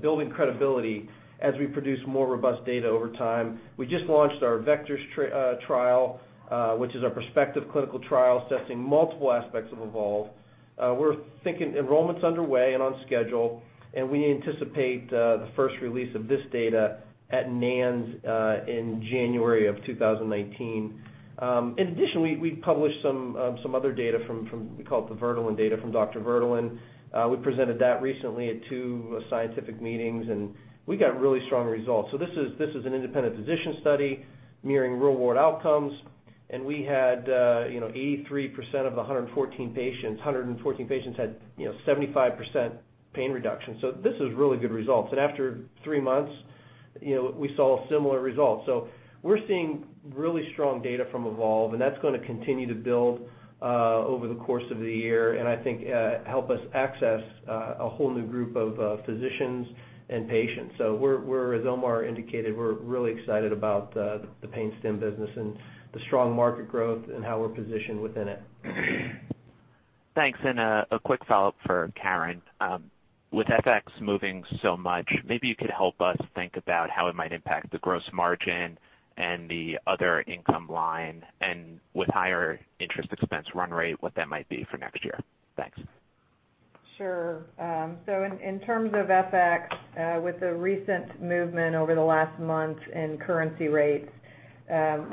building credibility as we produce more robust data over time. We just launched our VECTORS trial, which is our prospective clinical trial assessing multiple aspects of Evolve. We're thinking enrollment's underway and on schedule, and we anticipate the first release of this data at NANS in January of 2019. In addition, we published some other data from, we call it the WRAPTITE data from WRAP-IT data. We presented that recently at two scientific meetings, we got really strong results. This is an independent physician study mirroring real-world outcomes, and we had 83% of the 114 patients had 75% pain reduction. This is really good results. After three months, we saw similar results. We're seeing really strong data from Evolve, and that's going to continue to build over the course of the year and I think help us access a whole new group of physicians and patients. As Omar indicated, we're really excited about the pain stim business and the strong market growth and how we're positioned within it. Thanks. A quick follow-up for Karen. With FX moving so much, maybe you could help us think about how it might impact the gross margin and the other income line, with higher interest expense run rate, what that might be for next year. Thanks. In terms of FX, with the recent movement over the last month in currency rates,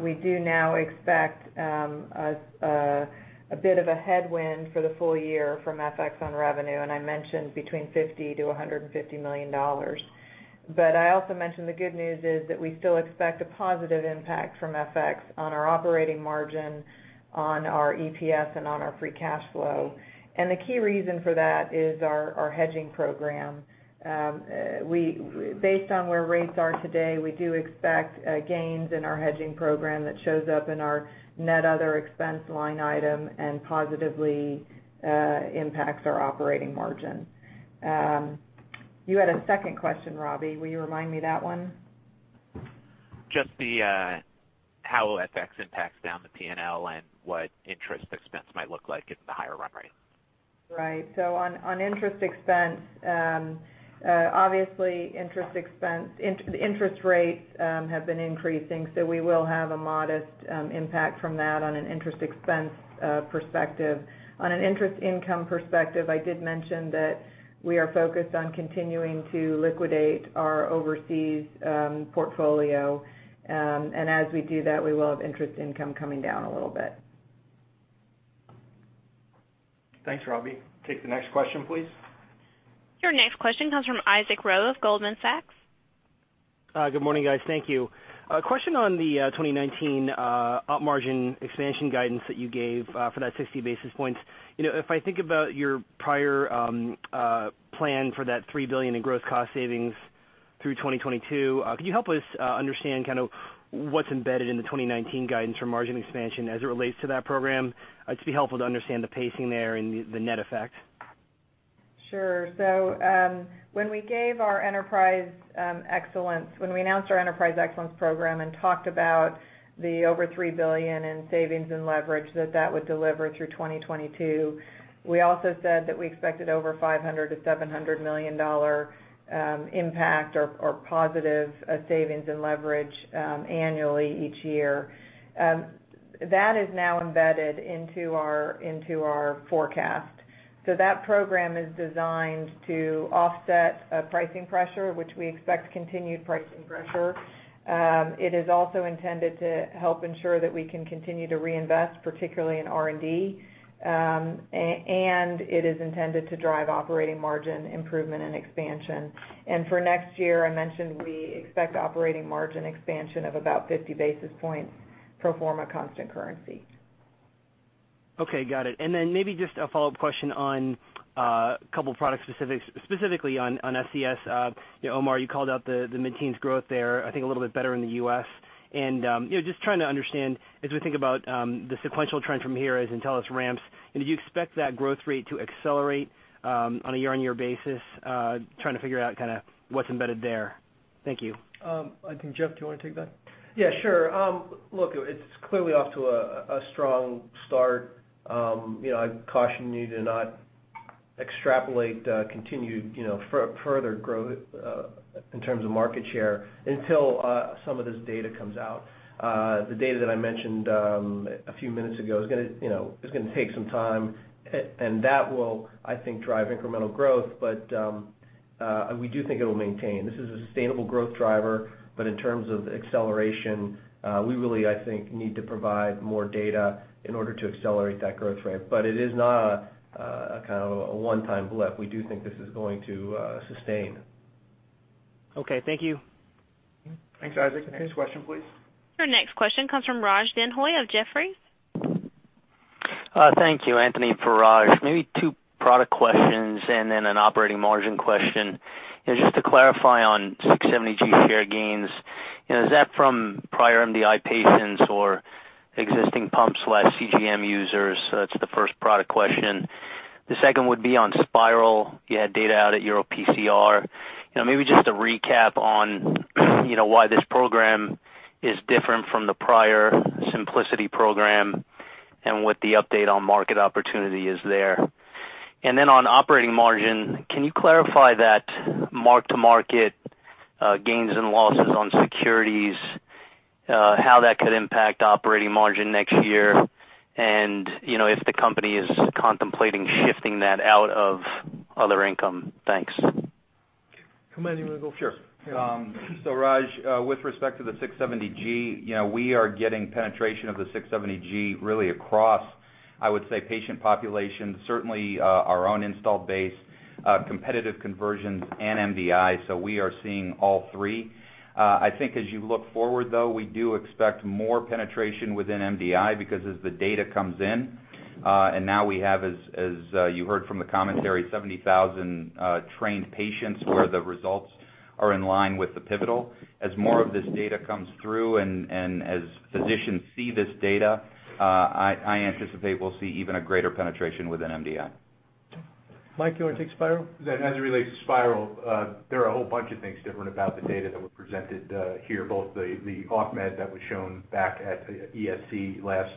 we do now expect a bit of a headwind for the full year from FX on revenue, and I mentioned between $50 million to $150 million. I also mentioned the good news is that we still expect a positive impact from FX on our operating margin, on our EPS, and on our free cash flow. The key reason for that is our hedging program. Based on where rates are today, we do expect gains in our hedging program that shows up in our net other expense line item and positively impacts our operating margin. You had a second question, Robbie. Will you remind me that one? Just how FX impacts down the P&L and what interest expense might look like at the higher run rate. On interest expense, obviously, interest rates have been increasing, we will have a modest impact from that on an interest expense perspective. On an interest income perspective, I did mention that we are focused on continuing to liquidate our overseas portfolio. As we do that, we will have interest income coming down a little bit. Thanks, Robbie. Take the next question, please. Your next question comes from Isaac Ro of Goldman Sachs. Good morning, guys. Thank you. A question on the 2019 op margin expansion guidance that you gave for that 60 basis points. If I think about your prior plan for that $3 billion in growth cost savings through 2022, could you help us understand what's embedded in the 2019 guidance for margin expansion as it relates to that program? It'd be helpful to understand the pacing there and the net effect. When we announced our Enterprise Excellence Program and talked about the over $3 billion in savings and leverage that that would deliver through 2022, we also said that we expected over $500 million to $700 million impact or positive savings and leverage annually each year. That is now embedded into our forecast. That program is designed to offset pricing pressure, which we expect continued pricing pressure. It is also intended to help ensure that we can continue to reinvest, particularly in R&D. It is intended to drive operating margin improvement and expansion. For next year, I mentioned we expect operating margin expansion of about 50 basis points pro forma constant currency. Okay, got it. Then maybe just a follow-up question on a couple product specifics, specifically on SCS. Omar, you called out the mid-teens growth there, I think a little bit better in the U.S. Just trying to understand, as we think about the sequential trend from here as Intellis ramps, do you expect that growth rate to accelerate on a year-on-year basis? Trying to figure out what's embedded there. Thank you. I think, Geoff, do you want to take that? Yeah, sure. Look, it's clearly off to a strong start. I'd caution you to not extrapolate continued further growth in terms of market share until some of this data comes out. The data that I mentioned a few minutes ago is going to take some time, and that will, I think, drive incremental growth. We do think it'll maintain. This is a sustainable growth driver, in terms of acceleration, we really, I think, need to provide more data in order to accelerate that growth rate. It is not a one-time blip. We do think this is going to sustain. Okay. Thank you. Thanks, Isaac. Next question, please. Your next question comes from Raj Denhoy of Jefferies. Thank you, Anthony. For Raj, maybe two product questions and then an operating margin question. Just to clarify on 670G share gains, is that from prior MDI patients or existing pump/CGM users? That's the first product question. The second would be on Spyral. You had data out at EuroPCR. Maybe just a recap on why this program is different from the prior Symplicity program and what the update on market opportunity is there. Then on operating margin, can you clarify that mark-to-market gains and losses on securities, how that could impact operating margin next year? If the company is contemplating shifting that out of other income. Thanks. Omar, you want to go? Sure. Raj, with respect to the 670G, we are getting penetration of the 670G really across, I would say, patient population, certainly our own installed base, competitive conversions, and MDI. We are seeing all three. I think as you look forward, though, we do expect more penetration within MDI because as the data comes in, and now we have, as you heard from the commentary, 70,000 trained patients where the results are in line with the pivotal. As more of this data comes through and as physicians see this data, I anticipate we'll see even a greater penetration within MDI. Mike, you want to take Spyral? As it relates to Spyral, there are a whole bunch of things different about the data that were presented here, both the off-med that was shown back at ESC last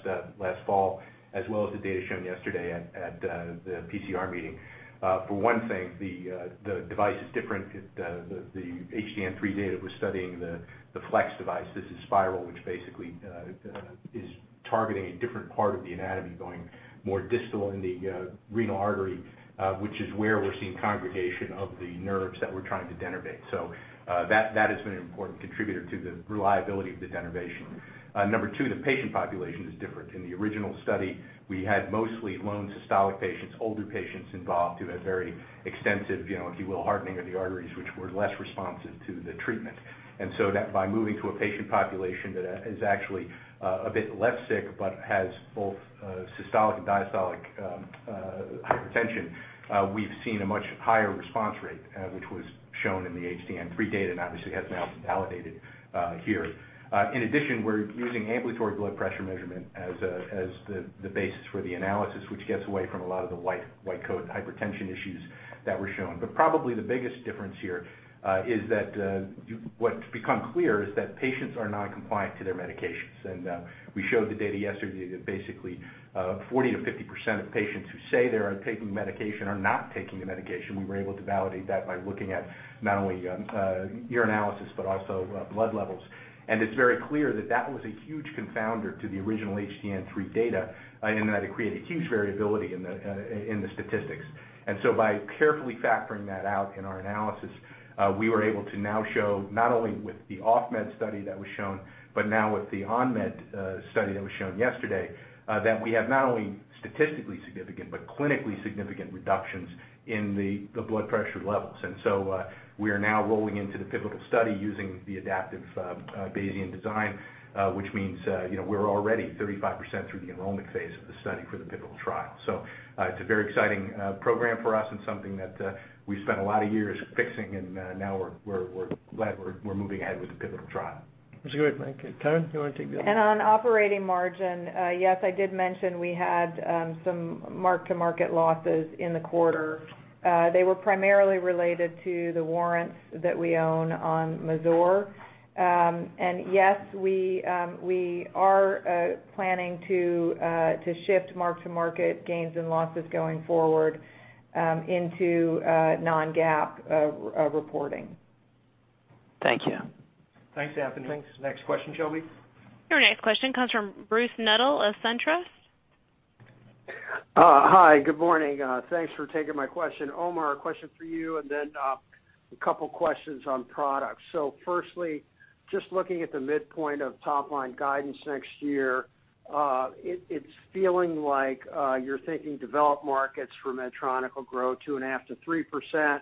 fall, as well as the data shown yesterday at the PCR meeting. For one thing, the device is different. The HTN-3 data was studying the Flex device. This is Spyral, which basically is targeting a different part of the anatomy, going more distal in the renal artery, which is where we're seeing congregation of the nerves that we're trying to denervate. That has been an important contributor to the reliability of the denervation. Number two, the patient population is different. In the original study, we had mostly lone systolic patients, older patients involved, who had very extensive, if you will, hardening of the arteries, which were less responsive to the treatment. By moving to a patient population that is actually a bit less sick but has both systolic and diastolic hypertension, we've seen a much higher response rate, which was shown in the HTN-3 data and obviously has now been validated here. In addition, we're using ambulatory blood pressure measurement as the basis for the analysis, which gets away from a lot of the white coat hypertension issues that were shown. Probably the biggest difference here is that what's become clear is that patients are non-compliant to their medications. We showed the data yesterday that basically 40%-50% of patients who say they are taking medication are not taking the medication. We were able to validate that by looking at not only urinalysis, but also blood levels. It's very clear that that was a huge confounder to the original HTN-3 data in that it created huge variability in the statistics. By carefully factoring that out in our analysis, we were able to now show not only with the off-med study that was shown, but now with the on-med study that was shown yesterday, that we have not only statistically significant, but clinically significant reductions in the blood pressure levels. We are now rolling into the pivotal study using the adaptive Bayesian design which means we're already 35% through the enrollment phase of the study for the pivotal trial. It's a very exciting program for us and something that we've spent a lot of years fixing, and now we're glad we're moving ahead with the pivotal trial. That's great, Mike. Karen, do you want to take the other? On operating margin, yes, I did mention we had some mark-to-market losses in the quarter. They were primarily related to the warrants that we own on Mazor. Yes, we are planning to shift mark-to-market gains and losses going forward into non-GAAP reporting. Thank you. Thanks, Anthony. Next question, Shelby. Your next question comes from Bruce Nudell of SunTrust. Hi. Good morning. Thanks for taking my question. Omar, a question for you, then a couple questions on products. Firstly, just looking at the midpoint of top-line guidance next year, it's feeling like you're thinking developed markets for Medtronic will grow 2.5%-3%,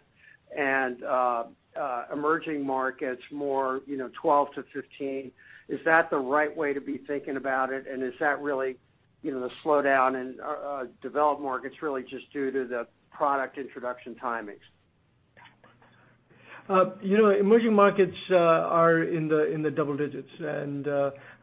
and emerging markets more, 12%-15%. Is that the right way to be thinking about it? Is that really the slowdown in developed markets really just due to the product introduction timings? Emerging markets are in the double digits,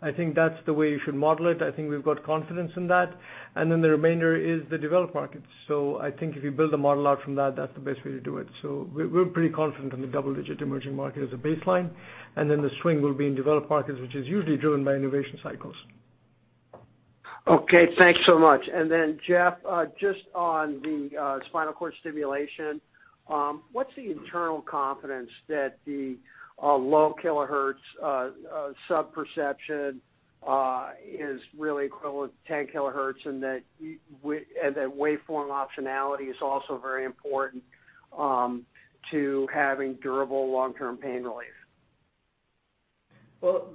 I think that's the way you should model it. I think we've got confidence in that. Then the remainder is the developed markets. I think if you build a model out from that's the best way to do it. We're pretty confident on the double-digit emerging market as a baseline, then the swing will be in developed markets, which is usually driven by innovation cycles. Okay. Thanks so much. Then, Geoff, just on the spinal cord stimulation, what's the internal confidence that the low kilohertz sub-perception is really equivalent to 10 kilohertz, and that waveform optionality is also very important to having durable long-term pain relief? Well,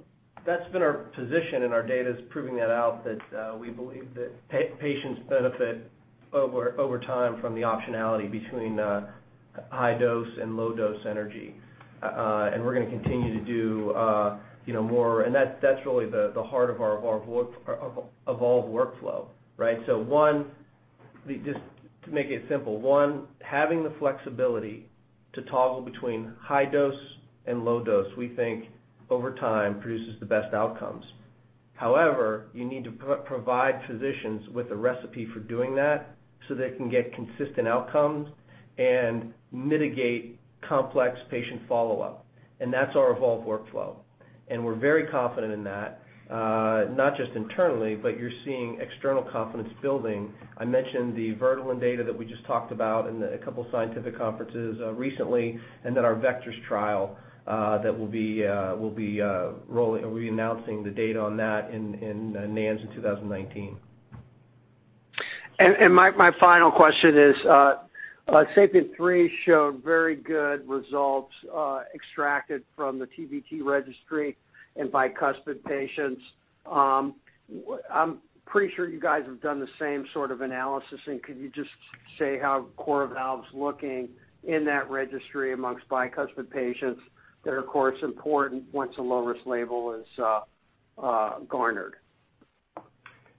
that's been our position, and our data is proving that out, that we believe that patients benefit over time from the optionality between high dose and low dose energy. We're going to continue to do more, and that's really the heart of our Evolve workflow, right? Just to make it simple, one, having the flexibility to toggle between high dose and low dose, we think over time produces the best outcomes. However, you need to provide physicians with a recipe for doing that so they can get consistent outcomes and mitigate complex patient follow-up, and that's our Evolve workflow. We're very confident in that, not just internally, but you're seeing external confidence building. I mentioned the Evolut data that we just talked about in a couple of scientific conferences recently, and then our VECTORS trial that we'll be announcing the data on that in NANS in 2019. My final question is, SAPIEN 3 showed very good results extracted from the TVT registry in bicuspid patients. I'm pretty sure you guys have done the same sort of analysis, and could you just say how CoreValve's looking in that registry amongst bicuspid patients that are, of course, important once a low-risk label is garnered?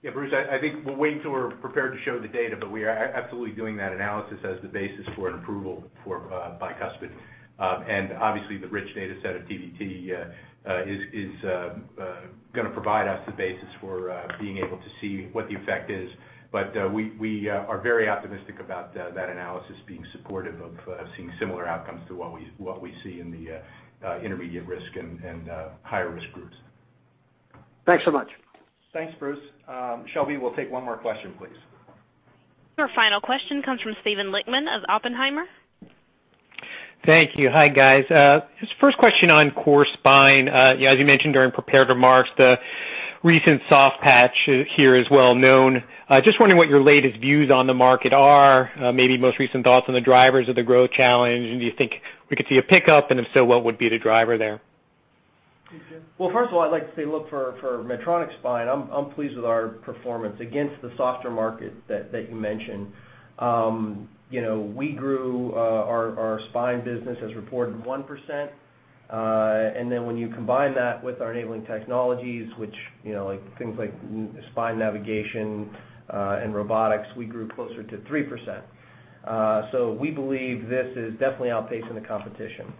Yeah, Bruce, I think we'll wait until we're prepared to show the data, but we are absolutely doing that analysis as the basis for an approval for bicuspid. Obviously the rich data set of TAVR is going to provide us the basis for being able to see what the effect is. We are very optimistic about that analysis being supportive of seeing similar outcomes to what we see in the intermediate risk and higher risk groups. Thanks so much. Thanks, Bruce. Shelby, we'll take one more question, please. Your final question comes from Steven Lichtman of Oppenheimer. Thank you. Hi, guys. Just first question on core spine. As you mentioned during prepared remarks, the recent soft patch here is well known. Just wondering what your latest views on the market are, maybe most recent thoughts on the drivers of the growth challenge, and do you think we could see a pickup? And if so, what would be the driver there? First of all, I'd like to say, look, for Medtronic spine, I'm pleased with our performance against the softer market that you mentioned. We grew our spine business as reported 1%. When you combine that with our enabling technologies, which things like spine navigation, and robotics, we grew closer to 3%. We believe this is definitely outpacing the competition.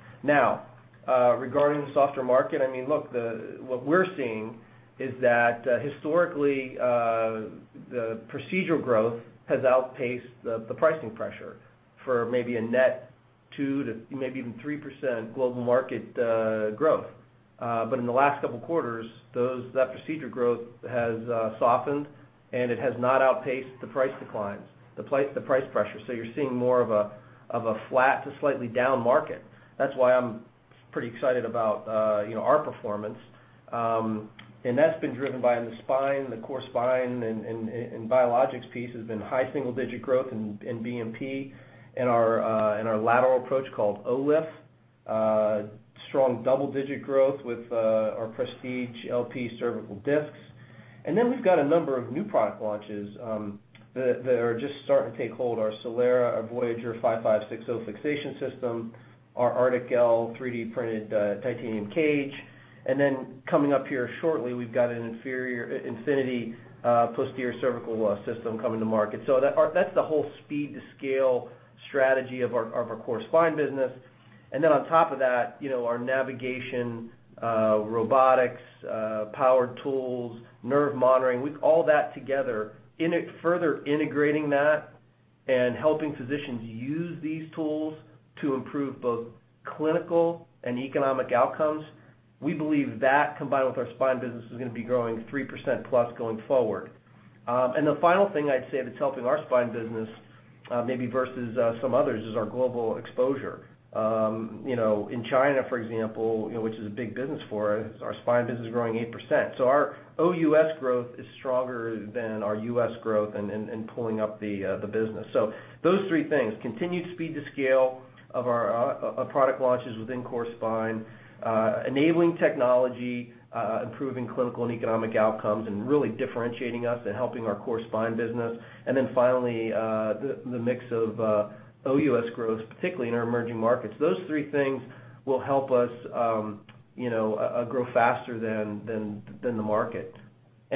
Regarding the softer market, look, what we're seeing is that historically, the procedural growth has outpaced the pricing pressure for maybe a net 2% to maybe even 3% global market growth. In the last couple of quarters, that procedure growth has softened, it has not outpaced the price declines, the price pressure. You're seeing more of a flat to slightly down market. That's why I'm pretty excited about our performance. That's been driven by the spine, the core spine, and biologics piece has been high single digit growth in BMP and our lateral approach called OLIF. Strong double-digit growth with our Prestige LP cervical discs. We've got a number of new product launches that are just starting to take hold. Our Solera, our Voyager 55/60 Fixation System, our ARTiC-L 3D printed titanium cage. Coming up here shortly, we've got an Infinity Posterior Cervical system coming to market. That's the whole speed to scale strategy of our core spine business. On top of that, our navigation, robotics, power tools, nerve monitoring, with all that together, further integrating that and helping physicians use these tools to improve both clinical and economic outcomes, we believe that combined with our spine business is going to be growing 3% plus going forward. The final thing I'd say that's helping our spine business maybe versus some others, is our global exposure. In China, for example, which is a big business for us, our spine business is growing 8%. Our OUS growth is stronger than our U.S. growth and pulling up the business. Those three things, continued speed to scale of our product launches within core spine, enabling technology, improving clinical and economic outcomes, and really differentiating us and helping our core spine business. Finally, the mix of OUS growth, particularly in our emerging markets. Those three things will help us grow faster than the market.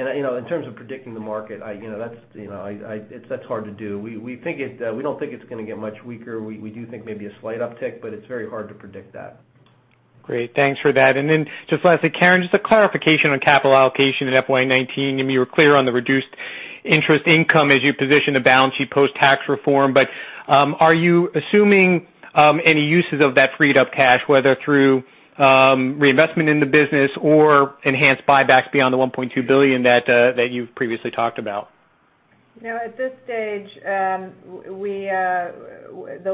In terms of predicting the market, that's hard to do. We don't think it's going to get much weaker. We do think maybe a slight uptick, it's very hard to predict that. Great. Thanks for that. Just lastly, Karen, just a clarification on capital allocation in FY 2019. I mean, you were clear on the reduced interest income as you position the balance sheet post-tax reform. Are you assuming any uses of that freed up cash, whether through reinvestment in the business or enhanced buybacks beyond the $1.2 billion that you've previously talked about? At this stage, the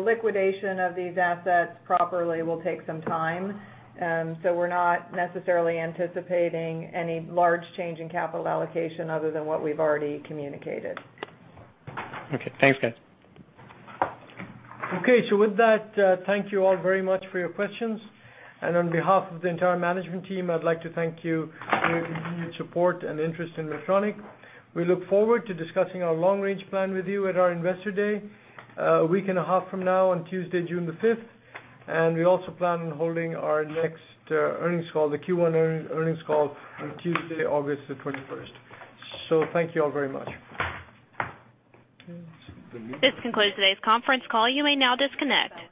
liquidation of these assets properly will take some time. We're not necessarily anticipating any large change in capital allocation other than what we've already communicated. Okay. Thanks, guys. Okay, with that, thank you all very much for your questions. On behalf of the entire management team, I'd like to thank you for your continued support and interest in Medtronic. We look forward to discussing our long range plan with you at our Investor Day, a week and a half from now on Tuesday, June the 5th. We also plan on holding our next earnings call, the Q1 earnings call on Tuesday, August the 21st. Thank you all very much. This concludes today's conference call. You may now disconnect.